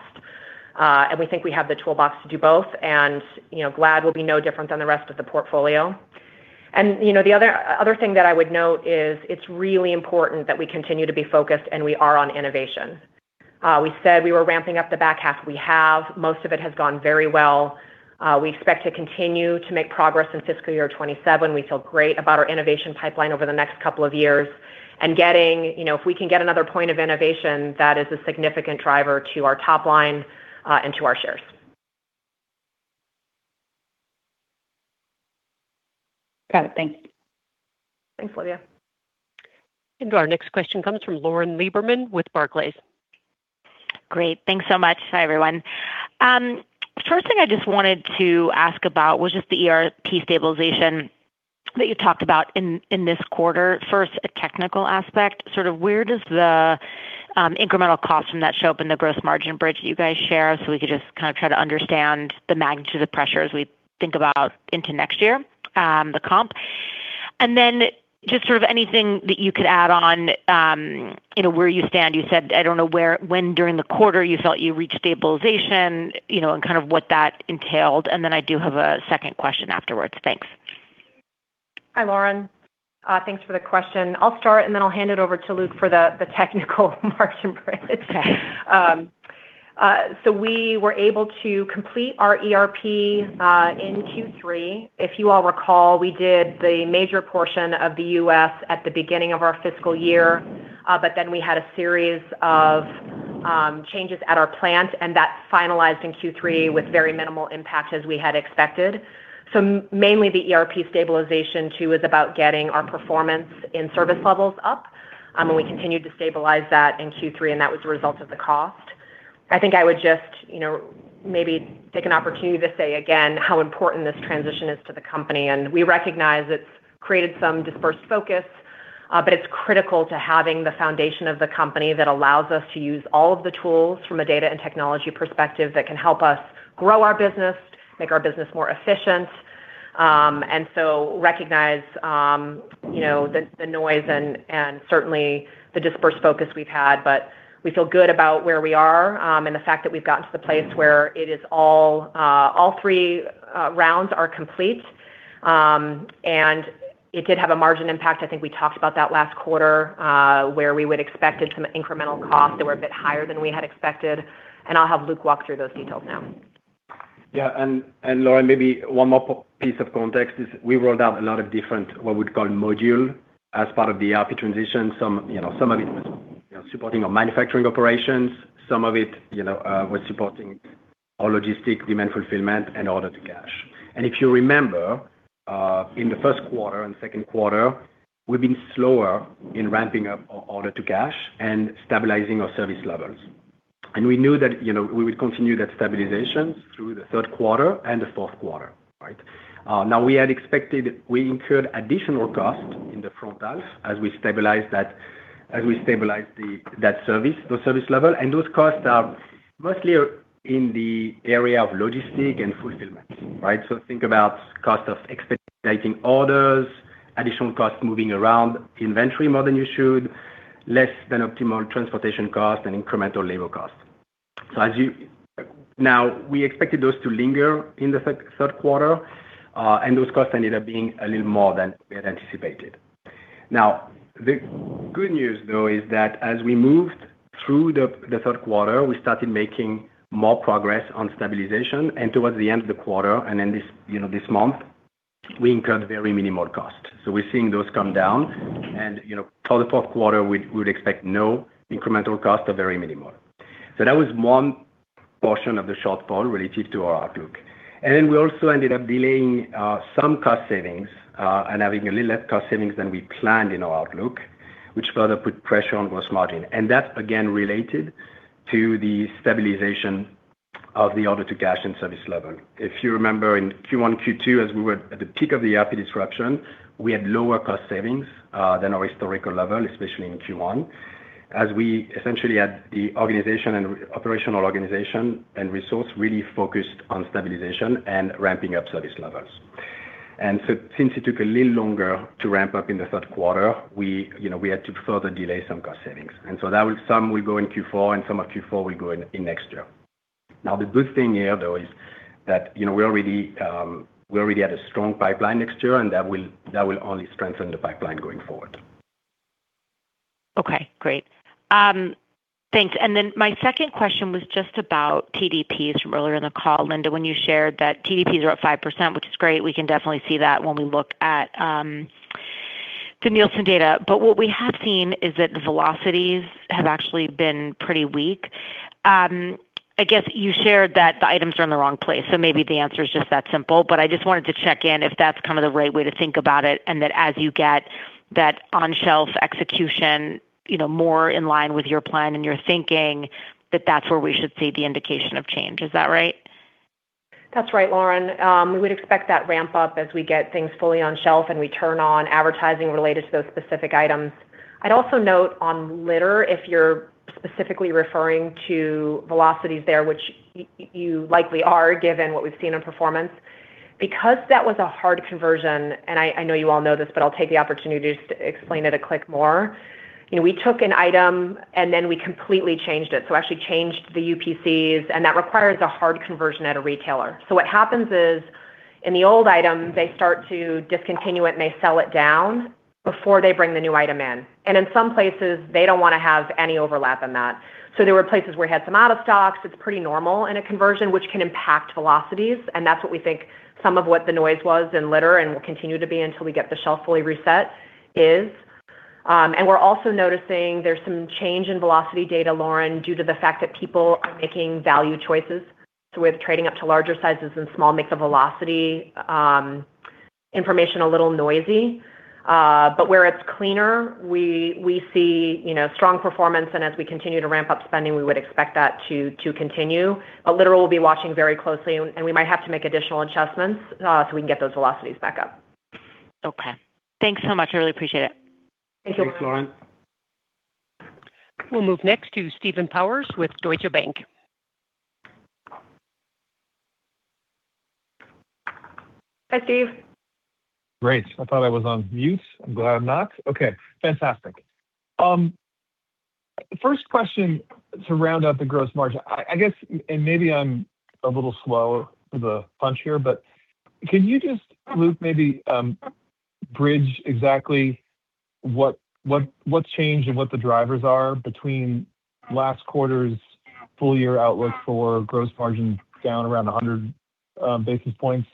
We think we have the toolbox to do both, and, you know, Glad will be no different than the rest of the portfolio. You know, the other thing that I would note is it's really important that we continue to be focused, and we are on innovation. We said we were ramping up the back half. We have. Most of it has gone very well. We expect to continue to make progress in fiscal year 2027. We feel great about our innovation pipeline over the next two years. You know, if we can get another point of innovation, that is a significant driver to our top line, and to our shares. Got it. Thank you. Thanks, Olivia. Our next question comes from Lauren Lieberman with Barclays. Great. Thanks so much. Hi, everyone. First thing I just wanted to ask about was just the ERP stabilization that you talked about in this quarter. First, a technical aspect. Sort of where does the incremental cost from that show up in the gross margin bridge that you guys share so we could just kind of try to understand the magnitude of pressure as we think about into next year, the comp? Then just sort of anything that you could add on, you know, where you stand. You said, I don't know when during the quarter you felt you reached stabilization, you know, and kind of what that entailed. Then I do have a second question afterwards. Thanks. Hi, Lauren. Thanks for the question. I'll start, and then I'll hand it over to Luc for the technical margin bridge. Okay. We were able to complete our ERP in Q3. If you all recall, we did the major portion of the U.S. at the beginning of our fiscal year. We had a series of changes at our plant, and that finalized in Q3 with very minimal impact as we had expected. Mainly the ERP stabilization, too, is about getting our performance in service levels up. We continued to stabilize that in Q3. That was a result of the cost. I think I would just, you know, maybe take an opportunity to say again how important this transition is to the company. We recognize it's created some dispersed focus, but it's critical to having the foundation of the company that allows us to use all of the tools from a data and technology perspective that can help us grow our business, make our business more efficient. We recognize, you know, the noise and certainly the dispersed focus we've had. We feel good about where we are, and the fact that we've gotten to the place where it is all 3 rounds are complete. It did have a margin impact. I think we talked about that last quarter, where we would expect some incremental costs that were a bit higher than we had expected. I'll have Luc walk through those details now. Yeah. Lauren, maybe one more piece of context is we rolled out a lot of different, what we'd call module as part of the ERP transition. Some, you know, some of it was, you know, supporting our manufacturing operations, some of it, you know, was supporting our logistic demand fulfillment and order to cash. If you remember, in the Q1 and Q2, we've been slower in ramping up order to cash and stabilizing our service levels. We knew that, you know, we would continue that stabilization through the Q3 and the Q4, right? Now we had expected we incurred additional costs in the front half as we stabilize the service level. Those costs are mostly in the area of logistic and fulfillment, right? Think about cost of expediting orders, additional costs moving around inventory more than you should, less than optimal transportation costs and incremental labor costs. We expected those to linger in the Q3, and those costs ended up being a little more than we had anticipated. The good news, though, is that as we moved through the Q3, we started making more progress on stabilization. Towards the end of the quarter, and then this, you know, this month, we incurred very minimal costs. We're seeing those come down. You know, for the Q4, we would expect no incremental cost or very minimal. That was one portion of the shortfall relative to our outlook. We also ended up delaying some cost savings and having a little less cost savings than we planned in our outlook, which further put pressure on gross margin. That, again, related to the stabilization of the order to cash and service level. If you remember in Q1, Q2, as we were at the peak of the ERP disruption, we had lower cost savings than our historical level, especially in Q1, as we essentially had the operational organization and resource really focused on stabilization and ramping up service levels. Since it took a little longer to ramp up in the Q3, we, you know, we had to further delay some cost savings. Some will go in Q4 and some of Q4 will go in next year. The good thing here, though, is that, you know, we already had a strong pipeline next year, and that will only strengthen the pipeline going forward. Okay, great. Thanks. My second question was just about TDPs from earlier in the call, Linda, when you shared that TDPs are up 5%, which is great. We can definitely see that when we look at the Nielsen data. What we have seen is that the velocities have actually been pretty weak. I guess you shared that the items are in the wrong place, so maybe the answer is just that simple. I just wanted to check in if that's kind of the right way to think about it, and that as you get that on-shelf execution, you know, more in line with your plan and your thinking, that that's where we should see the indication of change. Is that right? That's right, Lauren. We would expect that ramp up as we get things fully on shelf and we turn on advertising related to those specific items. I'd also note on litter, if you're specifically referring to velocities there, which you likely are, given what we've seen in performance. That was a hard conversion, and I know you all know this, but I'll take the opportunity just to explain it a click more. You know, we took an item, we completely changed it. Actually changed the UPCs, and that requires a hard conversion at a retailer. What happens is, in the old item, they start to discontinue it, and they sell it down before they bring the new item in. In some places, they don't wanna have any overlap in that. There were places where we had some out of stocks. It's pretty normal in a conversion, which can impact velocities, and that's what we think some of what the noise was in Litter and will continue to be until we get the shelf fully reset is. We're also noticing there's some change in velocity data, Lauren, due to the fact that people are making value choices. With trading up to larger sizes and small makes the velocity information a little noisy. Where it's cleaner, we see, you know, strong performance. As we continue to ramp up spending, we would expect that to continue. Litter, we'll be watching very closely and we might have to make additional adjustments so we can get those velocities back up. Okay. Thanks so much. I really appreciate it. Thank you. Thanks, Lauren. We'll move next to Stephen Powers with Deutsche Bank. Hi, Steve. Great. I thought I was on mute. I'm glad I'm not. Okay, fantastic. First question to round out the gross margin. I guess, and maybe I'm a little slow to the punch here, but can you just, Luc, maybe, bridge exactly what's changed and what the drivers are between last quarter's full year outlook for gross margin down around 100 basis points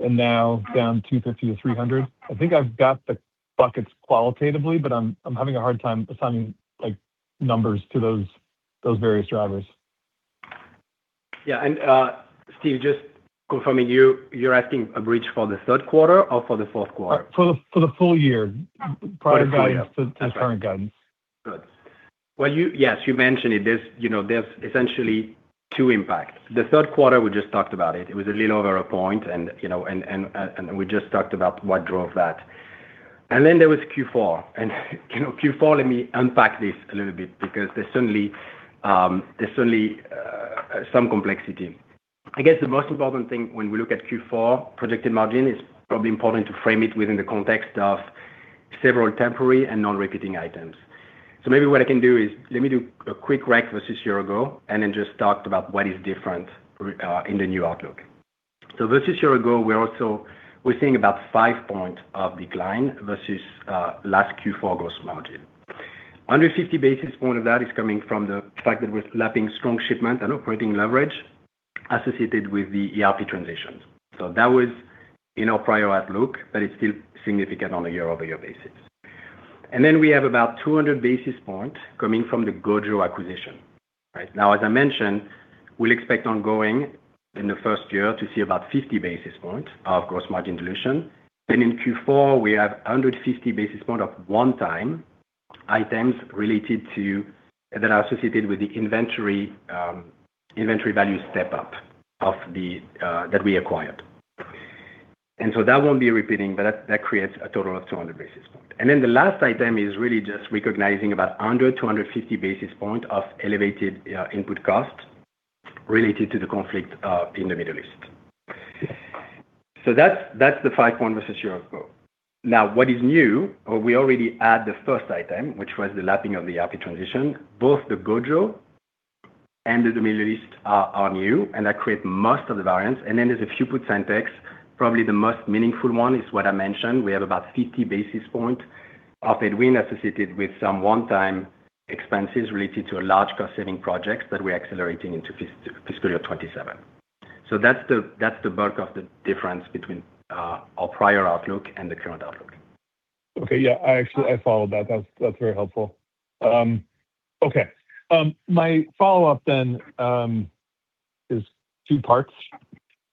and now down 250 to 300? I think I've got the buckets qualitatively, but I'm having a hard time assigning, like, numbers to those various drivers. Yeah. Steve, just confirming, you're asking a bridge for the Q3 or for the Q4? For the full year. Full year. Prior value to current guidance. Good. You mentioned it. There's, you know, there's essentially 2 impacts. The Q3, we just talked about it. It was a little over 1 point, and we just talked about what drove that. There was Q4. You know, Q4, let me unpack this a little bit because there's certainly, there's certainly some complexity. I guess the most important thing when we look at Q4 projected margin is probably important to frame it within the context of several temporary and non-repeating items. Maybe what I can do is let me do a quick rec versus year ago and then just talk about what is different in the new outlook. Versus year ago, we're seeing about 5 points of decline versus last Q4 gross margin. Under 50 basis points of that is coming from the fact that we're lapping strong shipment and operating leverage associated with the ERP transitions. That was in our prior outlook, but it's still significant on a year-over-year basis. We have about 200 basis points coming from the GOJO acquisition, right? Now, as I mentioned, we'll expect ongoing in the first year to see about 50 basis points of gross margin dilution. In Q4, we have 150 basis points of one time items that are associated with the inventory value step up of the that we acquired. That won't be repeating, but that creates a total of 200 basis points. The last item is really just recognizing about 100, 250 basis point of elevated input cost related to the conflict in the Middle East. That's, that's the 5 point versus year ago. What is new, or we already add the first item, which was the lapping of the ERP transition. Both the GOJO and the Middle East are new, and that create most of the variance. There's a few puts and takes. Probably the most meaningful one is what I mentioned. We have about 50 basis point of headwind associated with some one-time expenses related to a large cost-saving projects that we're accelerating into fiscal year 2027. That's the, that's the bulk of the difference between our prior outlook and the current outlook. Okay. Yeah, I followed that. That's very helpful. Okay. My follow-up is 2 parts.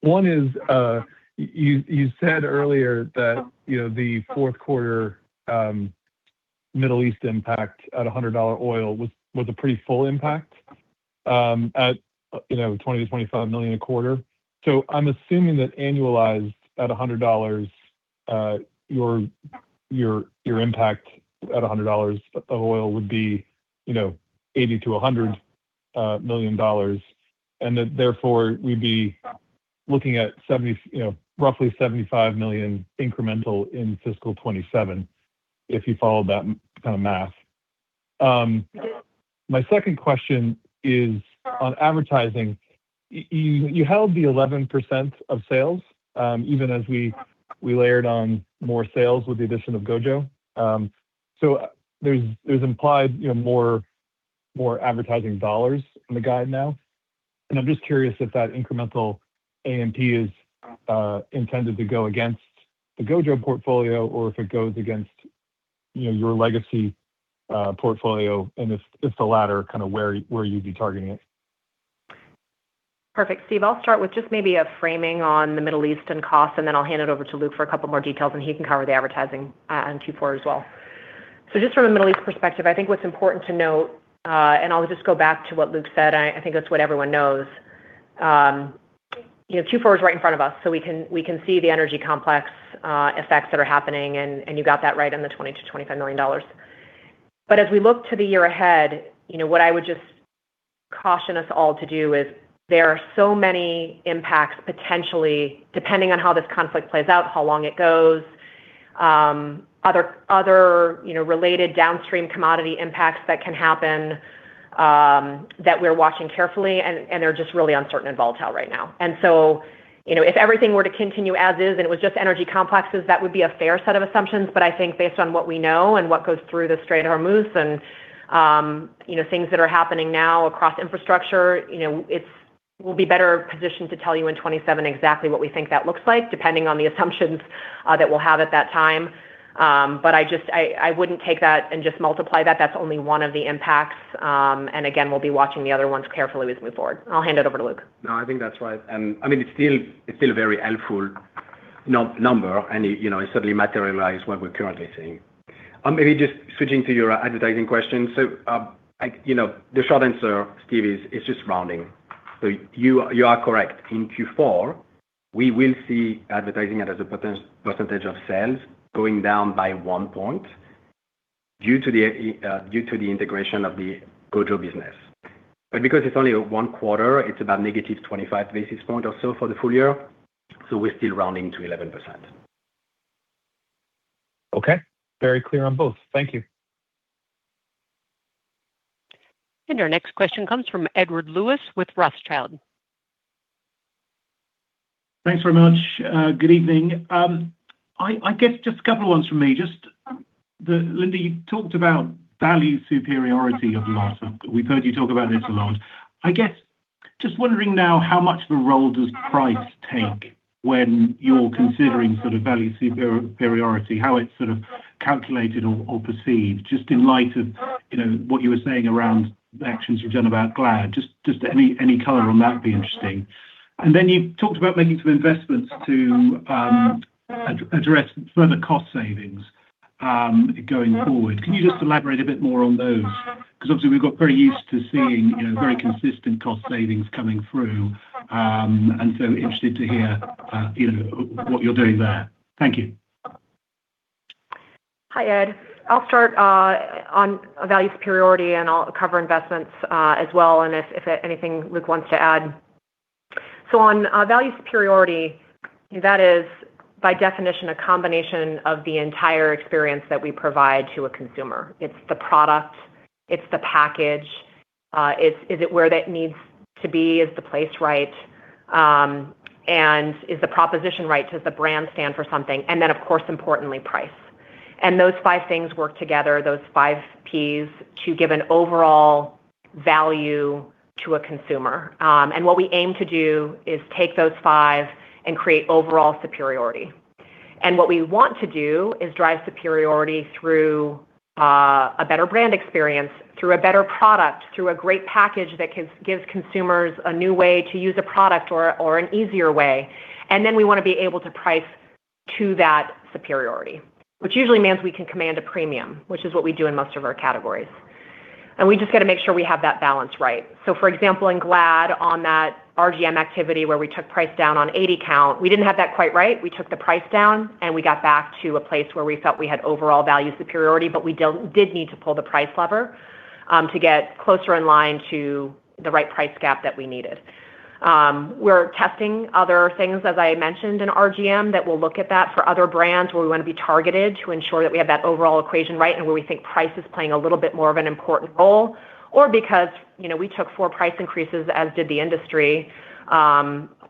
One is, you said earlier that, you know, the Q4 Middle East impact at $100 oil was a pretty full impact at, you know, $20 million-$25 million a quarter. I'm assuming that annualized at $100, your impact at $100 of oil would be, you know, $80 million-$100 million. That therefore, we'd be looking at, you know, roughly $75 million incremental in fiscal 2027, if you follow that kind of math. My second question is on advertising. You held the 11% of sales even as we layered on more sales with the addition of GOJO. There's implied, you know, more advertising dollars in the guide now. I'm just curious if that incremental A&P is intended to go against the Gojo portfolio or if it goes against, you know, your legacy portfolio. If the latter, kind of where you'd be targeting it. Perfect. Stephen, I'll start with just maybe a framing on the Middle East and costs, and then I'll hand it over to Luc for a couple more details, and he can cover the advertising in Q4 as well. Just from a Middle East perspective, I think what's important to note, and I'll just go back to what Luc said, I think it's what everyone knows. You know, Q4 is right in front of us, so we can see the energy complex effects that are happening, and you got that right on the $20 million-$25 million. As we look to the year ahead, you know, what I would just caution us all to do is there are so many impacts potentially, depending on how this conflict plays out, how long it goes, other related downstream commodity impacts that can happen, that we're watching carefully, and they're just really uncertain and volatile right now. You know, if everything were to continue as is, and it was just energy complexes, that would be a fair set of assumptions. I think based on what we know and what goes through the Strait of Hormuz and, you know, things that are happening now across infrastructure, you know, we'll be better positioned to tell you in 27 exactly what we think that looks like, depending on the assumptions that we'll have at that time. I wouldn't take that and just multiply that. That's only one of the impacts. Again, we'll be watching the other ones carefully as we move forward. I'll hand it over to Luc. I think that's right. I mean, it's still, it's still a very helpful number, and, you know, it certainly materialize what we're currently seeing. Maybe just switching to your advertising question. Like, you know, the short answer, Stephen, is it's just rounding. You are correct. In Q4, we will see advertising as a percentage of sales going down by 1 point due to the due to the integration of the GOJO business. Because it's only 1 quarter, it's about negative 25 basis points or so for the full year, we're still rounding to 11%. Okay. Very clear on both. Thank you. Our next question comes from Edward Lewis with Rothschild. Thanks very much. Good evening. I guess just a couple of ones from me. Just Linda, you talked about value superiority of lot. We've heard you talk about this a lot. I guess, just wondering now how much of a role does price take when you're considering sort of value superiority, how it's sort of calculated or perceived, just in light of, you know, what you were saying around the actions you've done about Glad. Just any color on that would be interesting. You talked about making some investments to address further cost savings going forward. Can you just elaborate a bit more on those? 'Cause obviously we've got very used to seeing, you know, very consistent cost savings coming through, and so interested to hear, you know, what you're doing there. Thank you. Hi, Ed. I'll start on value superiority, and I'll cover investments as well, and if anything Luc wants to add. On value superiority, that is by definition, a combination of the entire experience that we provide to a consumer. It's the product, it's the package, is it where that needs to be? Is the place right? Is the proposition right? Does the brand stand for something? Then, of course, importantly, price. Those five things work together, those five Ps, to give an overall value to a consumer. What we aim to do is take those five and create overall superiority. What we want to do is drive superiority through a better brand experience, through a better product, through a great package that gives consumers a new way to use a product or an easier way. We wanna be able to price to that superiority, which usually means we can command a premium, which is what we do in most of our categories. We just gotta make sure we have that balance right. For example, in Glad on that RGM activity where we took price down on 80 count, we didn't have that quite right. We took the price down, and we got back to a place where we felt we had overall value superiority, but we did need to pull the price lever to get closer in line to the right price gap that we needed. We're testing other things, as I mentioned, in RGM that will look at that for other brands where we wanna be targeted to ensure that we have that overall equation right and where we think price is playing a little bit more of an important role or because, you know, we took 4 price increases, as did the industry,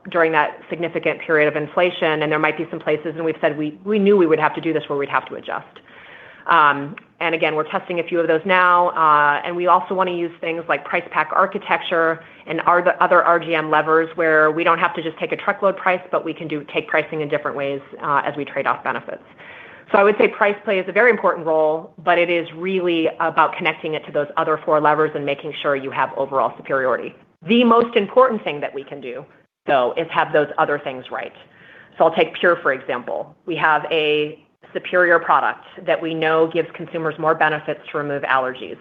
during that significant period of inflation. There might be some places, and we've said we knew we would have to do this, where we'd have to adjust. Again, we're testing a few of those now. We also wanna use things like price pack architecture and other RGM levers, where we don't have to just take a truckload price, but we can take pricing in different ways, as we trade off benefits. I would say price play is a very important role, but it is really about connecting it to those other four levers and making sure you have overall superiority. The most important thing that we can do, though, is have those other things right. I'll take PURE, for example. We have a superior product that we know gives consumers more benefits to remove allergies.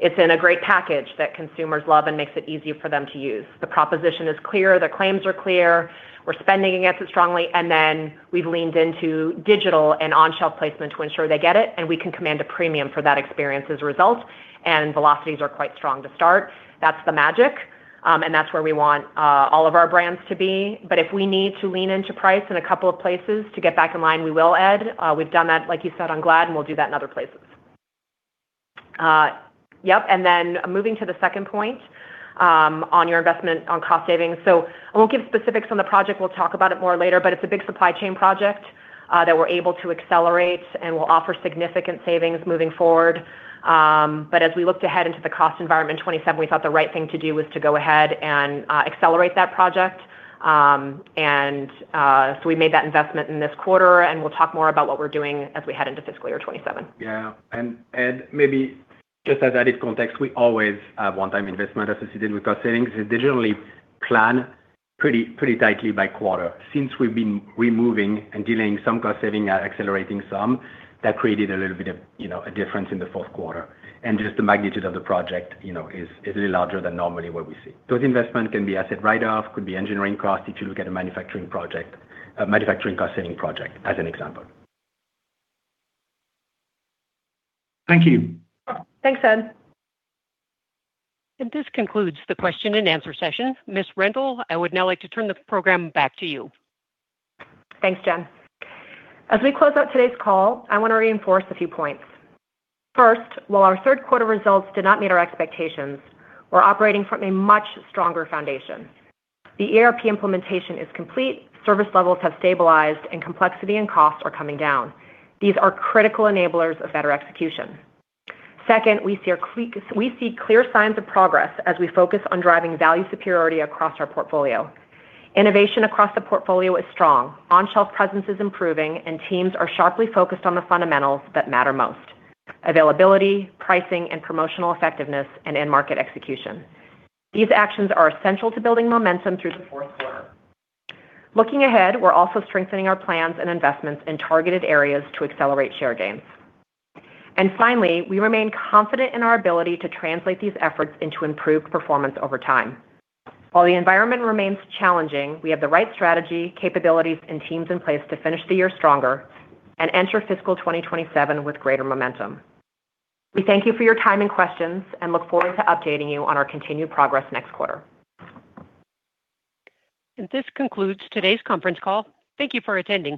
It's in a great package that consumers love and makes it easier for them to use. The proposition is clear, the claims are clear, we're spending against it strongly, and then we've leaned into digital and on-shelf placement to ensure they get it, and we can command a premium for that experience as a result. Velocities are quite strong to start. That's the magic. That's where we want all of our brands to be. If we need to lean into price in a couple of places to get back in line, we will, Ed. We've done that, like you said, on Glad, and we'll do that in other places. Moving to the second point, on your investment on cost savings. I won't give specifics on the project. We'll talk about it more later, but it's a big supply chain project that we're able to accelerate and will offer significant savings moving forward. As we looked ahead into the cost environment in 2027, we thought the right thing to do was to go ahead and accelerate that project. We made that investment in this quarter, and we'll talk more about what we're doing as we head into fiscal year 2027. Yeah. Ed, maybe just as added context, we always have one-time investment associated with cost savings. They generally plan pretty tightly by quarter. Since we've been removing and delaying some cost saving and accelerating some, that created a little bit of, you know, a difference in the Q4. Just the magnitude of the project, you know, is a little larger than normally what we see. Those investment can be asset write-off, could be engineering cost if you look at a manufacturing project, a manufacturing cost-saving project as an example. Thank you. Thanks, Ed. This concludes the question and answer session. Ms. Rendle, I would now like to turn the program back to you. Thanks, Jen. As we close out today's call, I wanna reinforce a few points. First, while our Q3 results did not meet our expectations, we're operating from a much stronger foundation. The ERP implementation is complete, service levels have stabilized, and complexity and costs are coming down. These are critical enablers of better execution. Second, we see clear signs of progress as we focus on driving value superiority across our portfolio. Innovation across the portfolio is strong. On-shelf presence is improving, and teams are sharply focused on the fundamentals that matter most: availability, pricing, and promotional effectiveness, and in-market execution. These actions are essential to building momentum through the Q4. Looking ahead, we're also strengthening our plans and investments in targeted areas to accelerate share gains. Finally, we remain confident in our ability to translate these efforts into improved performance over time. While the environment remains challenging, we have the right strategy, capabilities, and teams in place to finish the year stronger and enter fiscal 2027 with greater momentum. We thank you for your time and questions, and look forward to updating you on our continued progress next quarter. This concludes today's conference call. Thank you for attending.